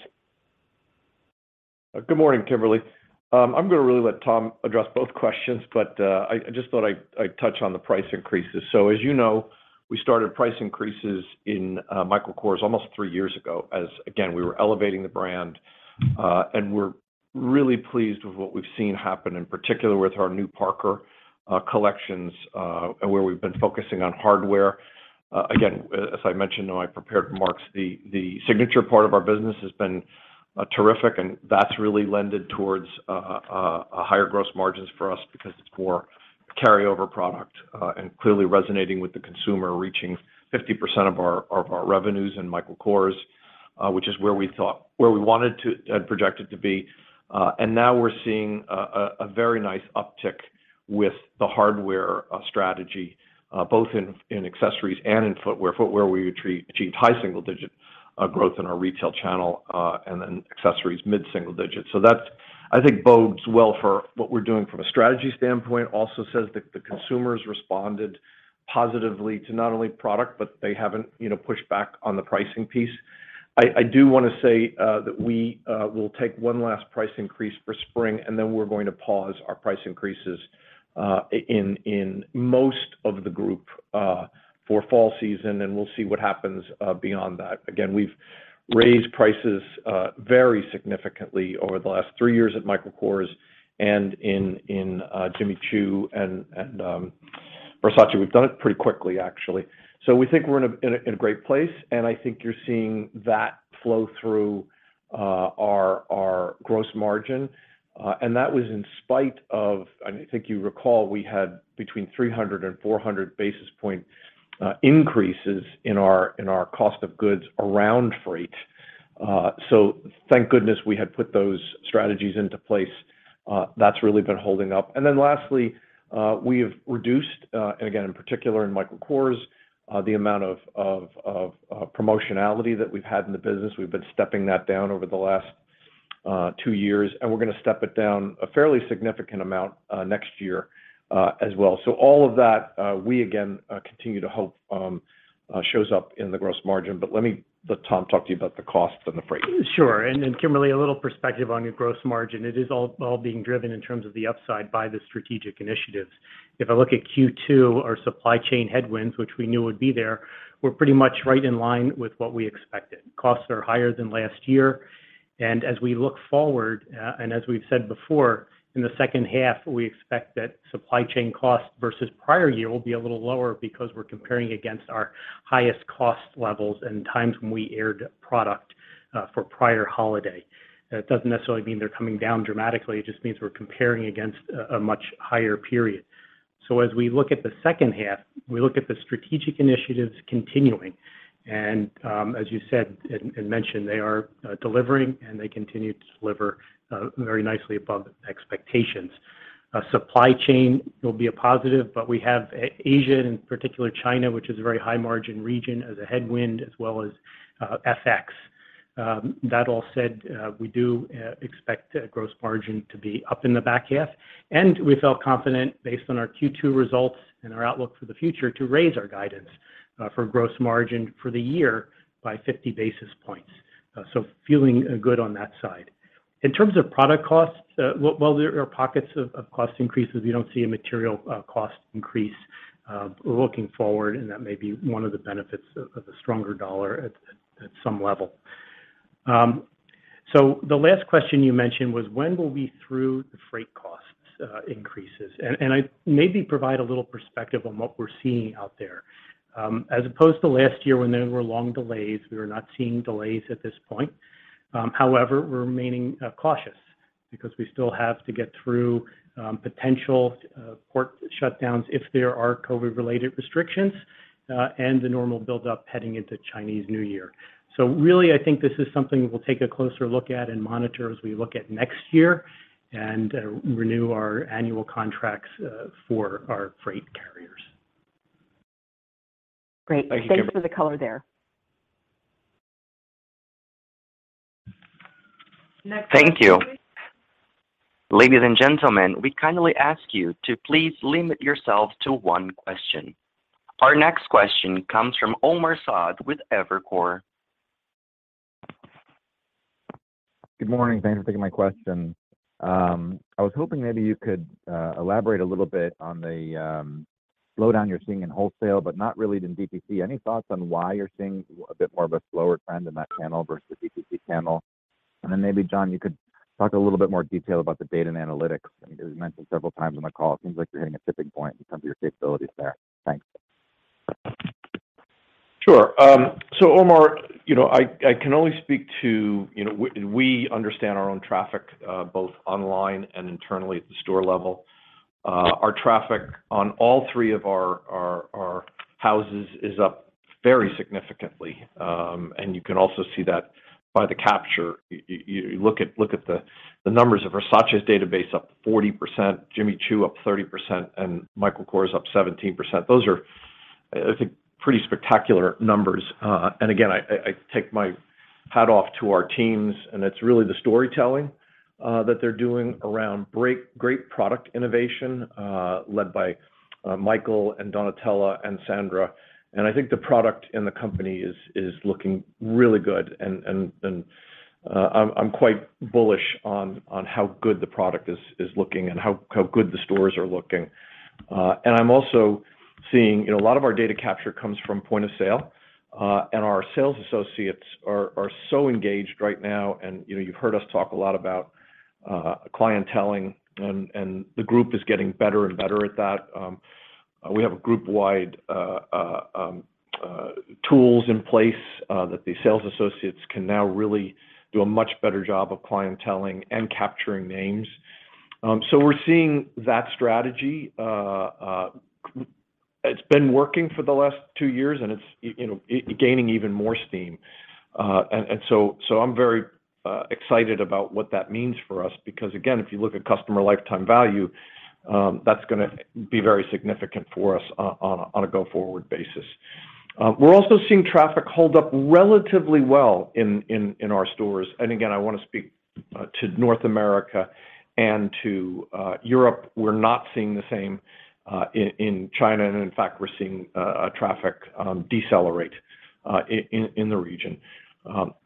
Good morning, Kimberly. I'm gonna really let Tom address both questions, but I just thought I'd touch on the price increases. As you know, we started price increases in Michael Kors almost three years ago as, again, we were elevating the brand. We're really pleased with what we've seen happen, in particular with our new Parker collections, where we've been focusing on hardware. Again, as I mentioned in my prepared remarks, the Signature part of our business has been terrific, and that's really lended towards higher gross margins for us because it's more carryover product, and clearly resonating with the consumer, reaching 50% of our revenues in Michael Kors, which is where we had projected to be. Now we're seeing a very nice uptick with the hardware strategy both in accessories and in footwear. Footwear, we achieved high single-digit growth in our retail channel, and then accessories, mid single digits. That, I think, bodes well for what we're doing from a strategy standpoint. Also says that the consumers responded positively to not only product, but they haven't, you know, pushed back on the pricing piece. I do wanna say that we will take one last price increase for spring, and then we're going to pause our price increases in most of the group for fall season, and we'll see what happens beyond that. Again, we've raised prices very significantly over the last three years at Michael Kors and in Jimmy Choo and Versace. We've done it pretty quickly, actually. We think we're in a great place, and I think you're seeing that flow through our gross margin. That was in spite of. I think you recall, we had between 300 and 400 basis point increases in our cost of goods around freight. Thank goodness we had put those strategies into place. That's really been holding up. Then lastly, we have reduced, and again, in particular in Michael Kors, the amount of promotionality that we've had in the business. We've been stepping that down over the last two years, and we're gonna step it down a fairly significant amount next year, as well. All of that, we again continue to hope shows up in the gross margin. But let me let Tom talk to you about the costs and the freight. Sure. Then Kimberly, a little perspective on your gross margin. It is all being driven in terms of the upside by the strategic initiatives. If I look at Q2, our supply chain headwinds, which we knew would be there, were pretty much right in line with what we expected. Costs are higher than last year. As we look forward, and as we've said before, in the second half, we expect that supply chain costs versus prior year will be a little lower because we're comparing against our highest cost levels and times when we air-freighted product for prior holiday. That doesn't necessarily mean they're coming down dramatically. It just means we're comparing against a much higher period. As we look at the second half, we look at the strategic initiatives continuing. As you said and mentioned, they are delivering and they continue to deliver very nicely above expectations. Our supply chain will be a positive, but we have Asia, in particular China, which is a very high margin region as a headwind, as well as FX. That all said, we do expect gross margin to be up in the back half, and we felt confident based on our Q2 results and our outlook for the future to raise our guidance for gross margin for the year by 50 basis points. Feeling good on that side. In terms of product costs, well, there are pockets of cost increases. We don't see a material cost increase looking forward, and that may be one of the benefits of the stronger dollar at some level. The last question you mentioned was when will we get through the freight costs increases? I may provide a little perspective on what we're seeing out there. However, we're remaining cautious because we still have to get through potential port shutdowns if there are COVID-related restrictions and the normal buildup heading into Chinese New Year. I think this is something we'll take a closer look at and monitor as we look at next year and renew our annual contracts for our freight carriers. Great. Thank you, Kim. Thank you for the color there. Next question, please. Thank you. Ladies and gentlemen, we kindly ask you to please limit yourself to one question. Our next question comes from Omar Saad with Evercore. Good morning. Thanks for taking my question. I was hoping maybe you could elaborate a little bit on the slowdown you're seeing in wholesale, but not really in DTC. Any thoughts on why you're seeing a bit more of a slower trend in that channel versus the DTC channel? Maybe, John, you could talk a little bit more detail about the data and analytics. I mean, as you mentioned several times on the call, it seems like you're hitting a tipping point in terms of your capabilities there. Thanks. Sure. So Omar, you know, I can only speak to, you know, we understand our own traffic, both online and internally at the store level. Our traffic on all three of our houses is up very significantly. You can also see that by the capture. You look at the numbers of Versace's database up 40%, Jimmy Choo up 30%, and Michael Kors up 17%. Those are, I think, pretty spectacular numbers. Again, I take my hat off to our teams, and it's really the storytelling that they're doing around great product innovation, led by Michael and Donatella and Sandra. I think the product in the company is looking really good and I'm quite bullish on how good the product is looking and how good the stores are looking. I'm also seeing, you know, a lot of our data capture comes from point of sale and our sales associates are so engaged right now. You know, you've heard us talk a lot about clienteling and the group is getting better and better at that. We have group-wide tools in place that the sales associates can now really do a much better job of clienteling and capturing names. We're seeing that strategy. It's been working for the last two years, and it's, you know, gaining even more steam. I'm very excited about what that means for us because again, if you look at customer lifetime value, that's gonna be very significant for us on a go-forward basis. We're also seeing traffic hold up relatively well in our stores. Again, I wanna speak to North America and to Europe. We're not seeing the same in China, and in fact, we're seeing traffic decelerate in the region.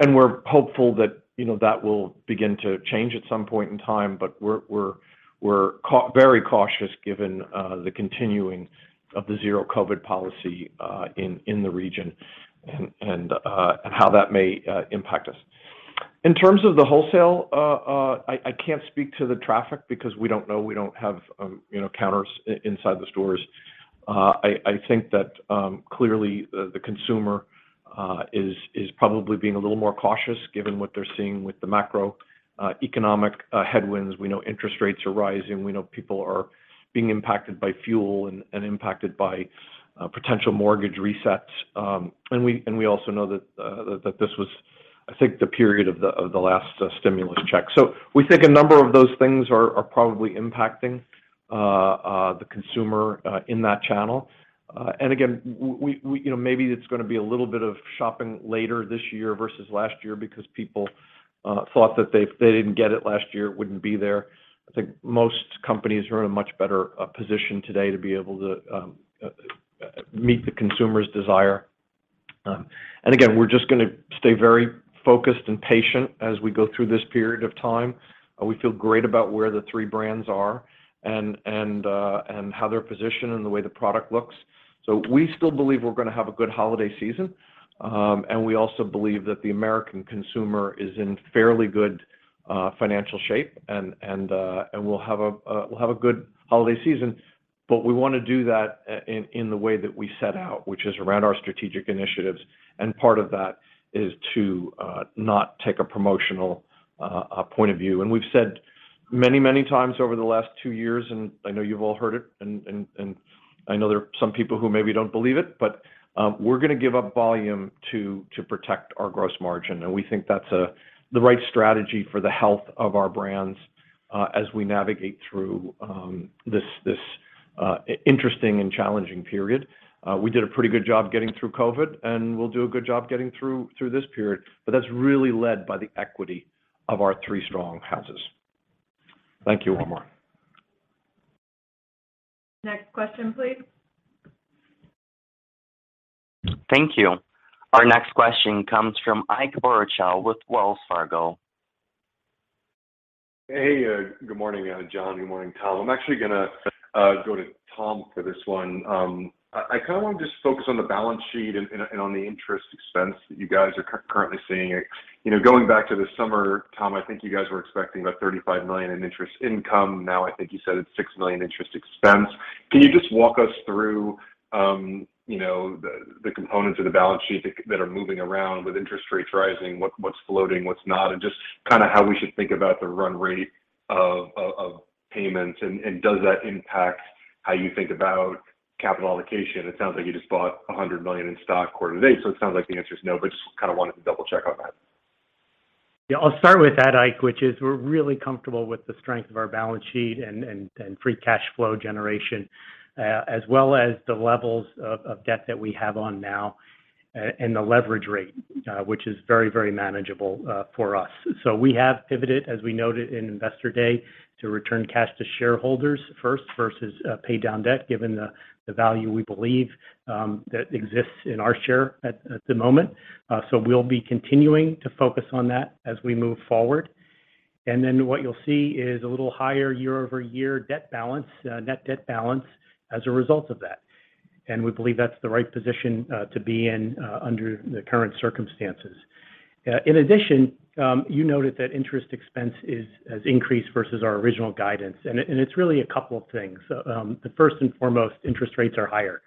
We're hopeful that, you know, that will begin to change at some point in time, but we're very cautious given the continuing of the zero-COVID policy in the region and how that may impact us. In terms of the wholesale, I can't speak to the traffic because we don't know, we don't have, you know, counters inside the stores. I think that clearly the consumer is probably being a little more cautious given what they're seeing with the macroeconomic headwinds. We know interest rates are rising. We know people are being impacted by fuel and impacted by potential mortgage resets. We also know that this was, I think, the period of the last stimulus check. We think a number of those things are probably impacting the consumer in that channel. And again, we, you know, maybe it's gonna be a little bit of shopping later this year versus last year because people thought that if they didn't get it last year, it wouldn't be there. I think most companies are in a much better position today to be able to meet the consumer's desire. We're just gonna stay very focused and patient as we go through this period of time. We feel great about where the three brands are and how they're positioned and the way the product looks. We still believe we're gonna have a good holiday season, and we also believe that the American consumer is in fairly good financial shape, and we'll have a good holiday season. We wanna do that in the way that we set out, which is around our strategic initiatives, and part of that is to not take a promotional point of view. We've said many, many times over the last two years, and I know you've all heard it, and I know there are some people who maybe don't believe it, but we're gonna give up volume to protect our gross margin, and we think that's the right strategy for the health of our brands as we navigate through this interesting and challenging period. We did a pretty good job getting through COVID, and we'll do a good job getting through this period. That's really led by the equity of our three strong houses. Thank you one more. Next question, please. Thank you. Our next question comes from Ike Boruchow with Wells Fargo. Hey, good morning, John, good morning, Tom. I'm actually gonna go to Tom for this one. I kinda want to just focus on the balance sheet and on the interest expense that you guys are currently seeing. You know, going back to the summer, Tom, I think you guys were expecting about $35 million in interest income. Now, I think you said it's $6 million interest expense. Can you just walk us through, you know, the components of the balance sheet that are moving around with interest rates rising, what's floating, what's not? Just kinda how we should think about the run rate of payments, and does that impact how you think about capital allocation? It sounds like you just bought $100 million in stock quarter to date, so it sounds like the answer is no, but just kinda wanted to double-check on that. Yeah, I'll start with that, Ike, which is we're really comfortable with the strength of our balance sheet and free cash flow generation, as well as the levels of debt that we have now and the leverage rate, which is very manageable, for us. We have pivoted, as we noted in Investor Day, to return cash to shareholders first versus pay down debt, given the value we believe that exists in our share at the moment. We'll be continuing to focus on that as we move forward. Then what you'll see is a little higher year-over-year debt balance, net debt balance as a result of that. We believe that's the right position to be in under the current circumstances. In addition, you noted that interest expense has increased versus our original guidance, and it's really a couple of things. The first and foremost, interest rates are higher,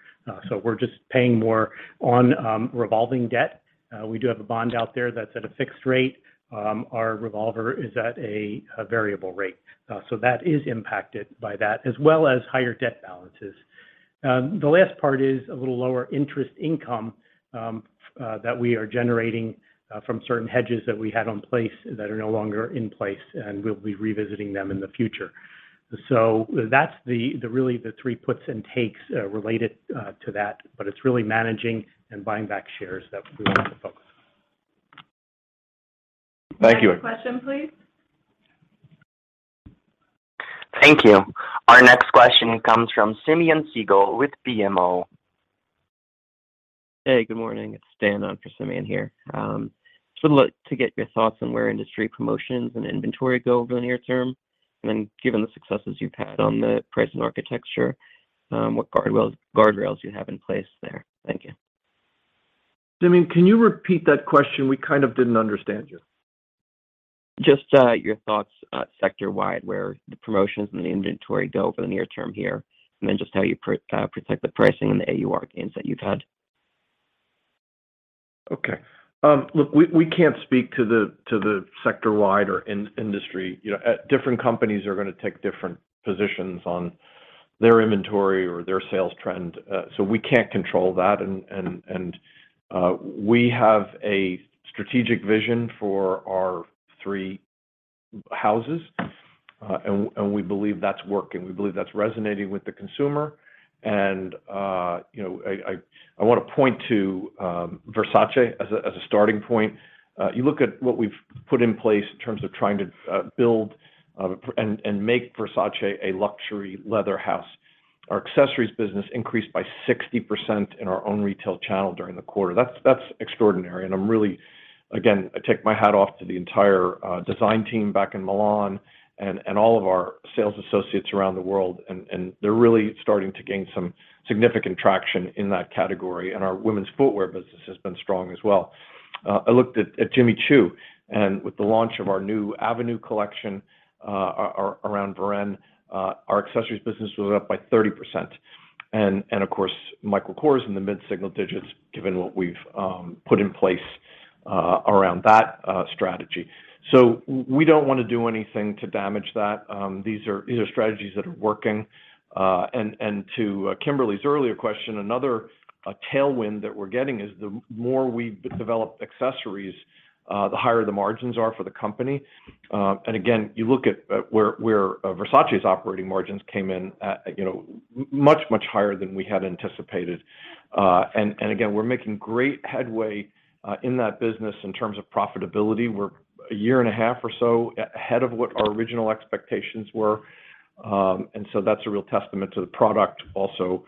so we're just paying more on revolving debt. We do have a bond out there that's at a fixed rate. Our revolver is at a variable rate. So that is impacted by that as well as higher debt balances. The last part is a little lower interest income that we are generating from certain hedges that we had in place that are no longer in place, and we'll be revisiting them in the future. That's really the three puts and takes related to that, but it's really managing and buying back shares that we want to focus on. Thank you. Next question, please. Thank you. Our next question comes from Simeon Siegel with BMO. Hey, good morning. It's Dan on for Simeon here. Just would like to get your thoughts on where industry promotions and inventory go over the near term, and then given the successes you've had on the pricing architecture, what guardrails you have in place there. Thank you. Simeon, can you repeat that question? We kind of didn't understand you. Just your thoughts sector-wide, where the promotions and the inventory go over the near term here, and then just how you protect the pricing and the AUR gains that you've had. Okay. Look, we can't speak to the sector-wide or industry-wide. You know, different companies are gonna take different positions on their inventory or their sales trend, so we can't control that. We have a strategic vision for our three houses, and we believe that's working. We believe that's resonating with the consumer. You know, I wanna point to Versace as a starting point. You look at what we've put in place in terms of trying to build and make Versace a luxury leather house. Our accessories business increased by 60% in our own retail channel during the quarter. That's extraordinary, and I'm really, again, I take my hat off to the entire design team back in Milan and all of our sales associates around the world, and they're really starting to gain some significant traction in that category. Our women's footwear business has been strong as well. I looked at Jimmy Choo, and with the launch of our new Avenue Collection around Varenne, our accessories business was up by 30%. Of course, Michael Kors in the mid-single digits%, given what we've put in place around that strategy. We don't wanna do anything to damage that. These are strategies that are working. To Kimberly's earlier question, another tailwind that we're getting is the more we develop accessories, the higher the margins are for the company. Again, you look at where Versace's operating margins came in at, you know, much higher than we had anticipated. Again, we're making great headway in that business in terms of profitability. We're a year and a half or so ahead of what our original expectations were. That's a real testament to the product. Also,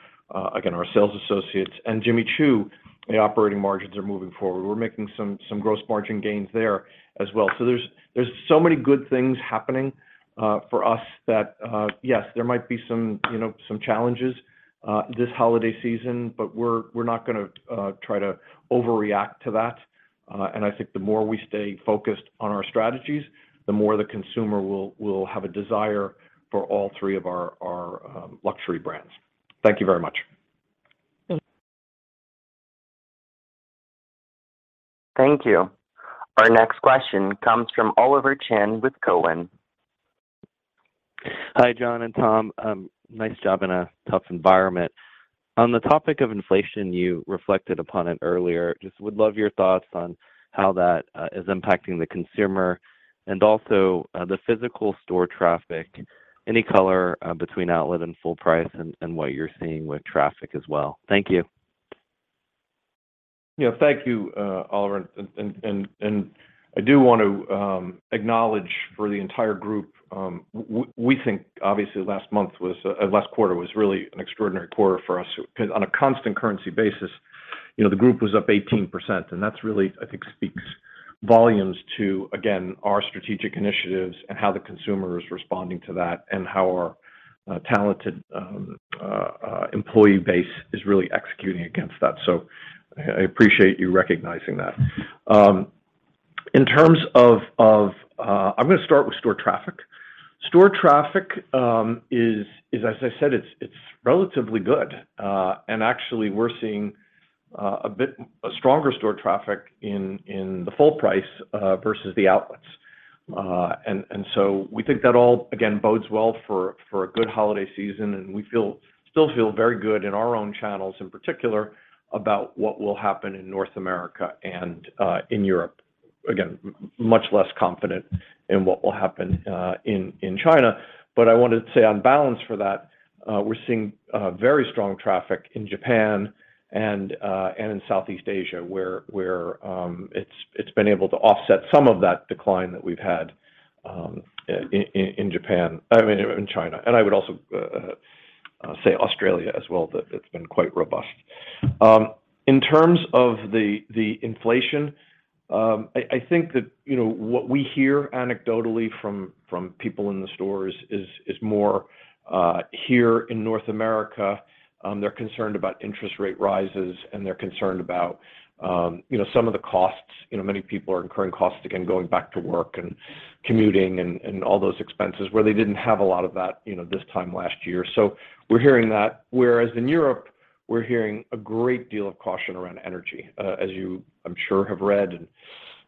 again, our sales associates. Jimmy Choo, the operating margins are moving forward. We're making some gross margin gains there as well. There's so many good things happening for us that yes, there might be some, you know, some challenges this holiday season, but we're not gonna try to overreact to that. I think the more we stay focused on our strategies, the more the consumer will have a desire for all three of our luxury brands. Thank you very much. Thank you. Thank you. Our next question comes from Oliver Chen with Cowen. Hi, John and Tom. Nice job in a tough environment. On the topic of inflation, you reflected upon it earlier. Just would love your thoughts on how that is impacting the consumer and also the physical store traffic, any color between outlet and full price and what you're seeing with traffic as well. Thank you. Yeah. Thank you, Oliver. I do want to acknowledge for the entire group, we think obviously last quarter was really an extraordinary quarter for us. On a constant currency basis, you know, the group was up 18%, and that really, I think, speaks volumes to, again, our strategic initiatives and how the consumer is responding to that, and how our talented employee base is really executing against that. I appreciate you recognizing that. In terms of, I'm gonna start with store traffic. Store traffic is as I said, it's relatively good. Actually we're seeing a stronger store traffic in the full price versus the outlets. We think that all, again, bodes well for a good holiday season, and we still feel very good in our own channels in particular about what will happen in North America and in Europe. Again, much less confident in what will happen in China. I wanted to say on balance for that, we're seeing very strong traffic in Japan and in Southeast Asia where it's been able to offset some of that decline that we've had in China, and I would also say Australia as well, that it's been quite robust. In terms of the inflation, I think that, you know, what we hear anecdotally from people in the stores is more here in North America. They're concerned about interest rate rises and they're concerned about, you know, some of the costs. You know, many people are incurring costs, again, going back to work and commuting and all those expenses where they didn't have a lot of that, you know, this time last year. So we're hearing that. Whereas in Europe, we're hearing a great deal of caution around energy. As you, I'm sure, have read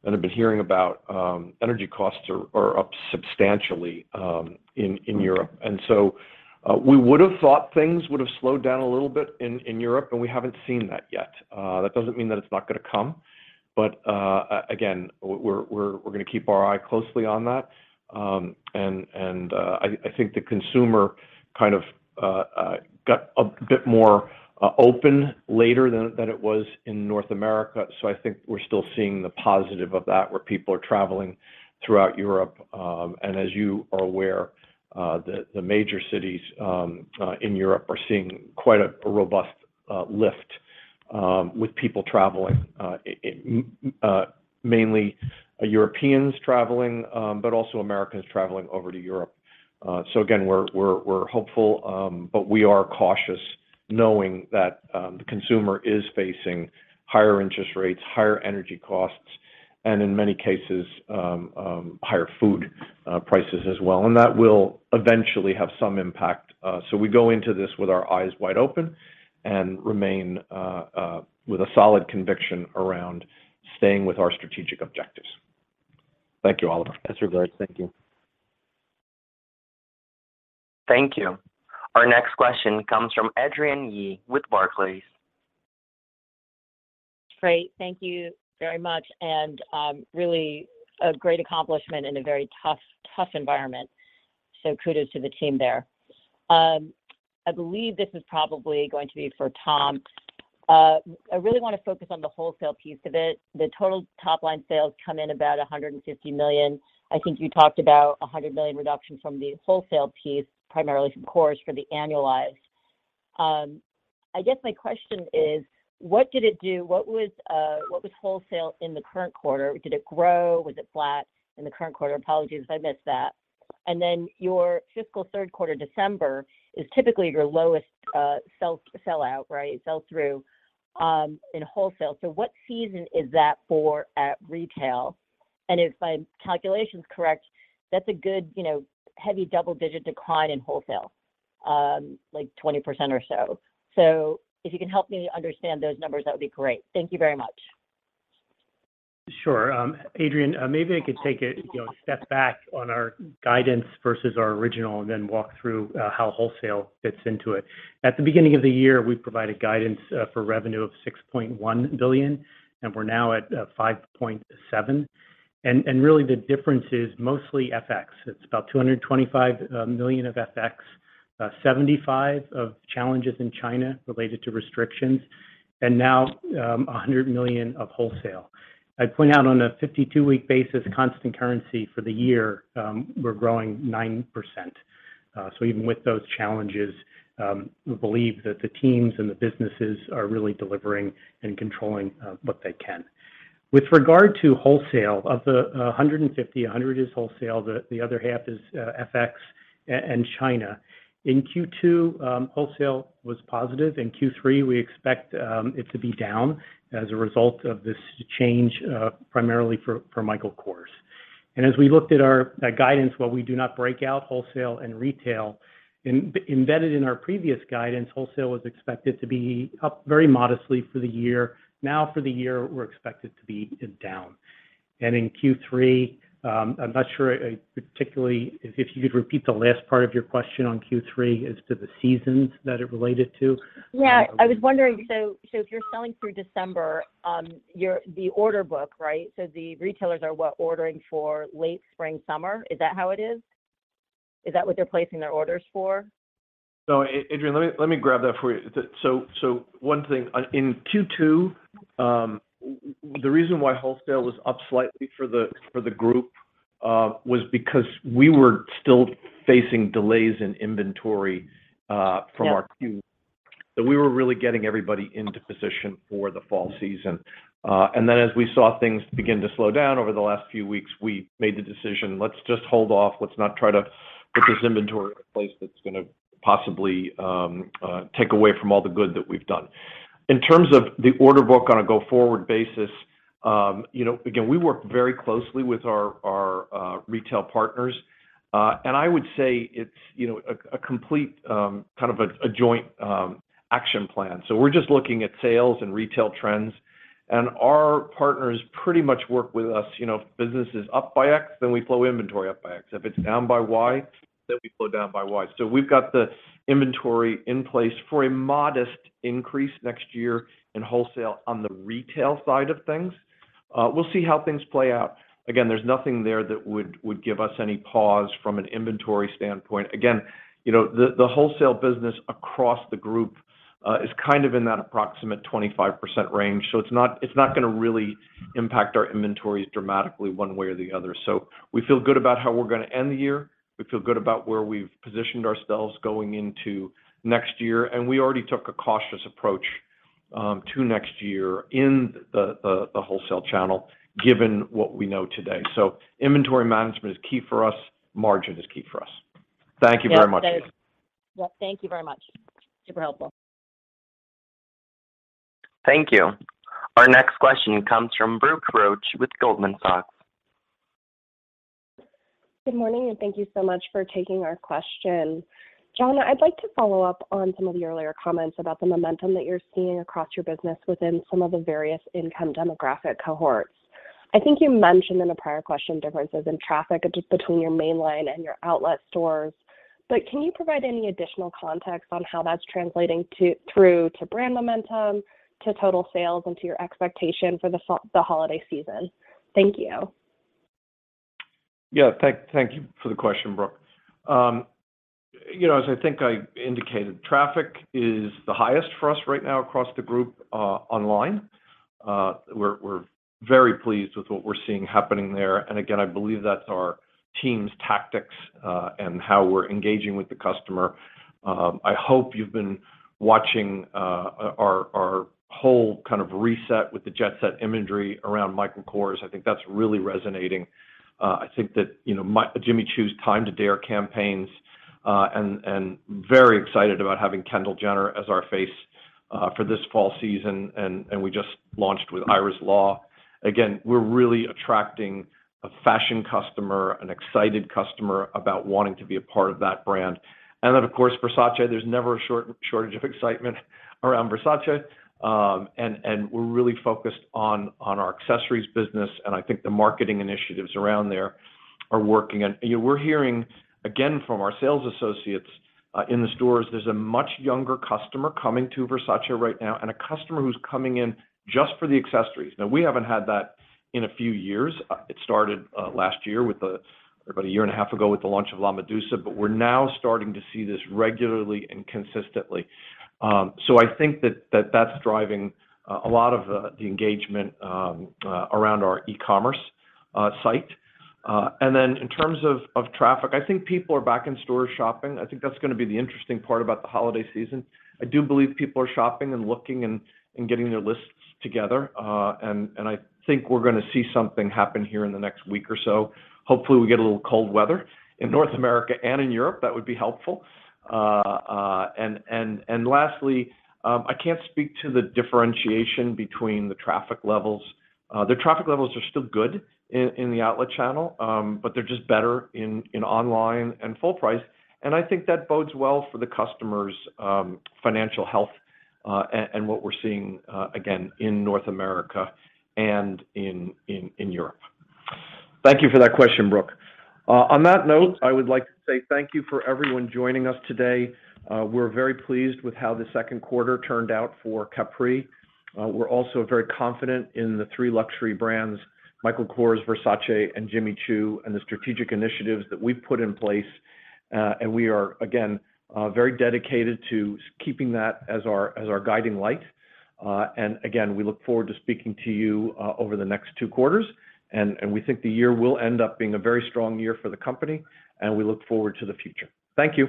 and have been hearing about, energy costs are up substantially in Europe. We would have thought things would have slowed down a little bit in Europe, and we haven't seen that yet. That doesn't mean that it's not gonna come. Again, we're gonna keep a close eye on that. I think the consumer kind of got a bit more open later than it was in North America. I think we're still seeing the positive of that, where people are traveling throughout Europe. As you are aware, the major cities in Europe are seeing quite a robust lift with people traveling, mainly Europeans traveling, but also Americans traveling over to Europe. Again, we're hopeful, but we are cautious knowing that the consumer is facing higher interest rates, higher energy costs, and in many cases, higher food prices as well. That will eventually have some impact. We go into this with our eyes wide open and remain with a solid conviction around staying with our strategic objectives. Thank you, Oliver. That's very good. Thank you. Thank you. Our next question comes from Adrienne Yih with Barclays. Great. Thank you very much. Really a great accomplishment in a very tough environment. Kudos to the team there. I believe this is probably going to be for Tom. I really wanna focus on the wholesale piece of it. The total top line sales come in about $150 million. I think you talked about a $100 million reduction from the wholesale piece, primarily from Kors for the annualized. I guess my question is, what was wholesale in the current quarter? Did it grow? Was it flat in the current quarter? Apologies if I missed that. Your fiscal third quarter, December, is typically your lowest sell out, right? Sell through in wholesale. What season is that for at retail? If my calculation is correct, that's a good, you know, heavy double-digit decline in wholesale, like 20% or so. If you can help me understand those numbers, that would be great. Thank you very much. Sure. Adrienne, maybe I could take a, you know, step back on our guidance versus our original and then walk through how wholesale fits into it. At the beginning of the year, we provided guidance for revenue of $6.1 billion, and we're now at $5.7 billion. Really the difference is mostly FX. It's about $225 million of FX, $75 million of challenges in China related to restrictions, and now $100 million of wholesale. I'd point out on a 52-week basis, constant currency for the year, we're growing 9%. So even with those challenges, we believe that the teams and the businesses are really delivering and controlling what they can. With regard to wholesale of the 150, 100 is wholesale. The other half is FX and China. In Q2, wholesale was positive. In Q3, we expect it to be down as a result of this change, primarily for Michael Kors. As we looked at that guidance, while we do not break out wholesale and retail, embedded in our previous guidance, wholesale was expected to be up very modestly for the year. Now for the year, we're expected to be down. In Q3, I'm not sure particularly if you could repeat the last part of your question on Q3 as to the seasons that it related to. Yeah. I was wondering, so if you're selling through December, the order book, right? The retailers are what, ordering for late spring, summer. Is that how it is? Is that what they're placing their orders for? Adrian, let me grab that for you. One thing, in Q2, the reason why wholesale was up slightly for the group was because we were still facing delays in inventory from our queue. We were really getting everybody into position for the fall season. As we saw things begin to slow down over the last few weeks, we made the decision, let's just hold off. Let's not try to put this inventory in a place that's gonna possibly take away from all the good that we've done. In terms of the order book on a go-forward basis, you know, again, we work very closely with our retail partners. I would say it's, you know, a complete kind of a joint action plan. We're just looking at sales and retail trends, and our partners pretty much work with us, you know, business is up by X, then we flow inventory up by X. If it's down by Y, then we flow down by Y. We've got the inventory in place for a modest increase next year in wholesale. On the retail side of things, we'll see how things play out. Again, there's nothing there that would give us any pause from an inventory standpoint. Again, you know, the wholesale business across the group is kind of in that approximate 25% range, so it's not gonna really impact our inventories dramatically one way or the other. We feel good about how we're gonna end the year. We feel good about where we've positioned ourselves going into next year, and we already took a cautious approach to next year in the wholesale channel given what we know today. Inventory management is key for us. Margin is key for us. Thank you very much. Yeah. Thanks. Yeah, thank you very much. Super helpful. Thank you. Our next question comes from Brooke Roach with Goldman Sachs. Good morning, and thank you so much for taking our question. John, I'd like to follow up on some of the earlier comments about the momentum that you're seeing across your business within some of the various income demographic cohorts. I think you mentioned in a prior question differences in traffic just between your mainline and your outlet stores. Can you provide any additional context on how that's translating through to brand momentum, to total sales, and to your expectation for the holiday season? Thank you. Yeah. Thank you for the question, Brooke. You know, as I think I indicated, traffic is the highest for us right now across the group online. We're very pleased with what we're seeing happening there. Again, I believe that's our team's tactics and how we're engaging with the customer. I hope you've been watching our whole kind of reset with the jet set imagery around Michael Kors. I think that's really resonating. I think that, you know, Jimmy Choo's Time to Dare campaigns and very excited about having Kendall Jenner as our face for this fall season, and we just launched with Iris Law. Again, we're really attracting a fashion customer, an excited customer about wanting to be a part of that brand. Of course, Versace, there's never a shortage of excitement around Versace. We're really focused on our accessories business, and I think the marketing initiatives around there are working. You know, we're hearing again from our sales associates in the stores, there's a much younger customer coming to Versace right now, and a customer who's coming in just for the accessories. Now, we haven't had that in a few years. It started about a year and a half ago with the launch of La Medusa, but we're now starting to see this regularly and consistently. I think that's driving a lot of the engagement around our e-commerce site. In terms of traffic, I think people are back in store shopping. I think that's gonna be the interesting part about the holiday season. I do believe people are shopping and looking and getting their lists together. I think we're gonna see something happen here in the next week or so. Hopefully, we get a little cold weather in North America and in Europe. That would be helpful. Lastly, I can't speak to the differentiation between the traffic levels. The traffic levels are still good in the outlet channel, but they're just better in online and full price, and I think that bodes well for the customers' financial health, and what we're seeing again in North America and in Europe. Thank you for that question, Brooke. On that note, I would like to say thank you for everyone joining us today. We're very pleased with how the second quarter turned out for Capri. We're also very confident in the three luxury brands, Michael Kors, Versace, and Jimmy Choo, and the strategic initiatives that we've put in place. We are, again, very dedicated to keeping that as our guiding light. Again, we look forward to speaking to you over the next two quarters and we think the year will end up being a very strong year for the company, and we look forward to the future. Thank you.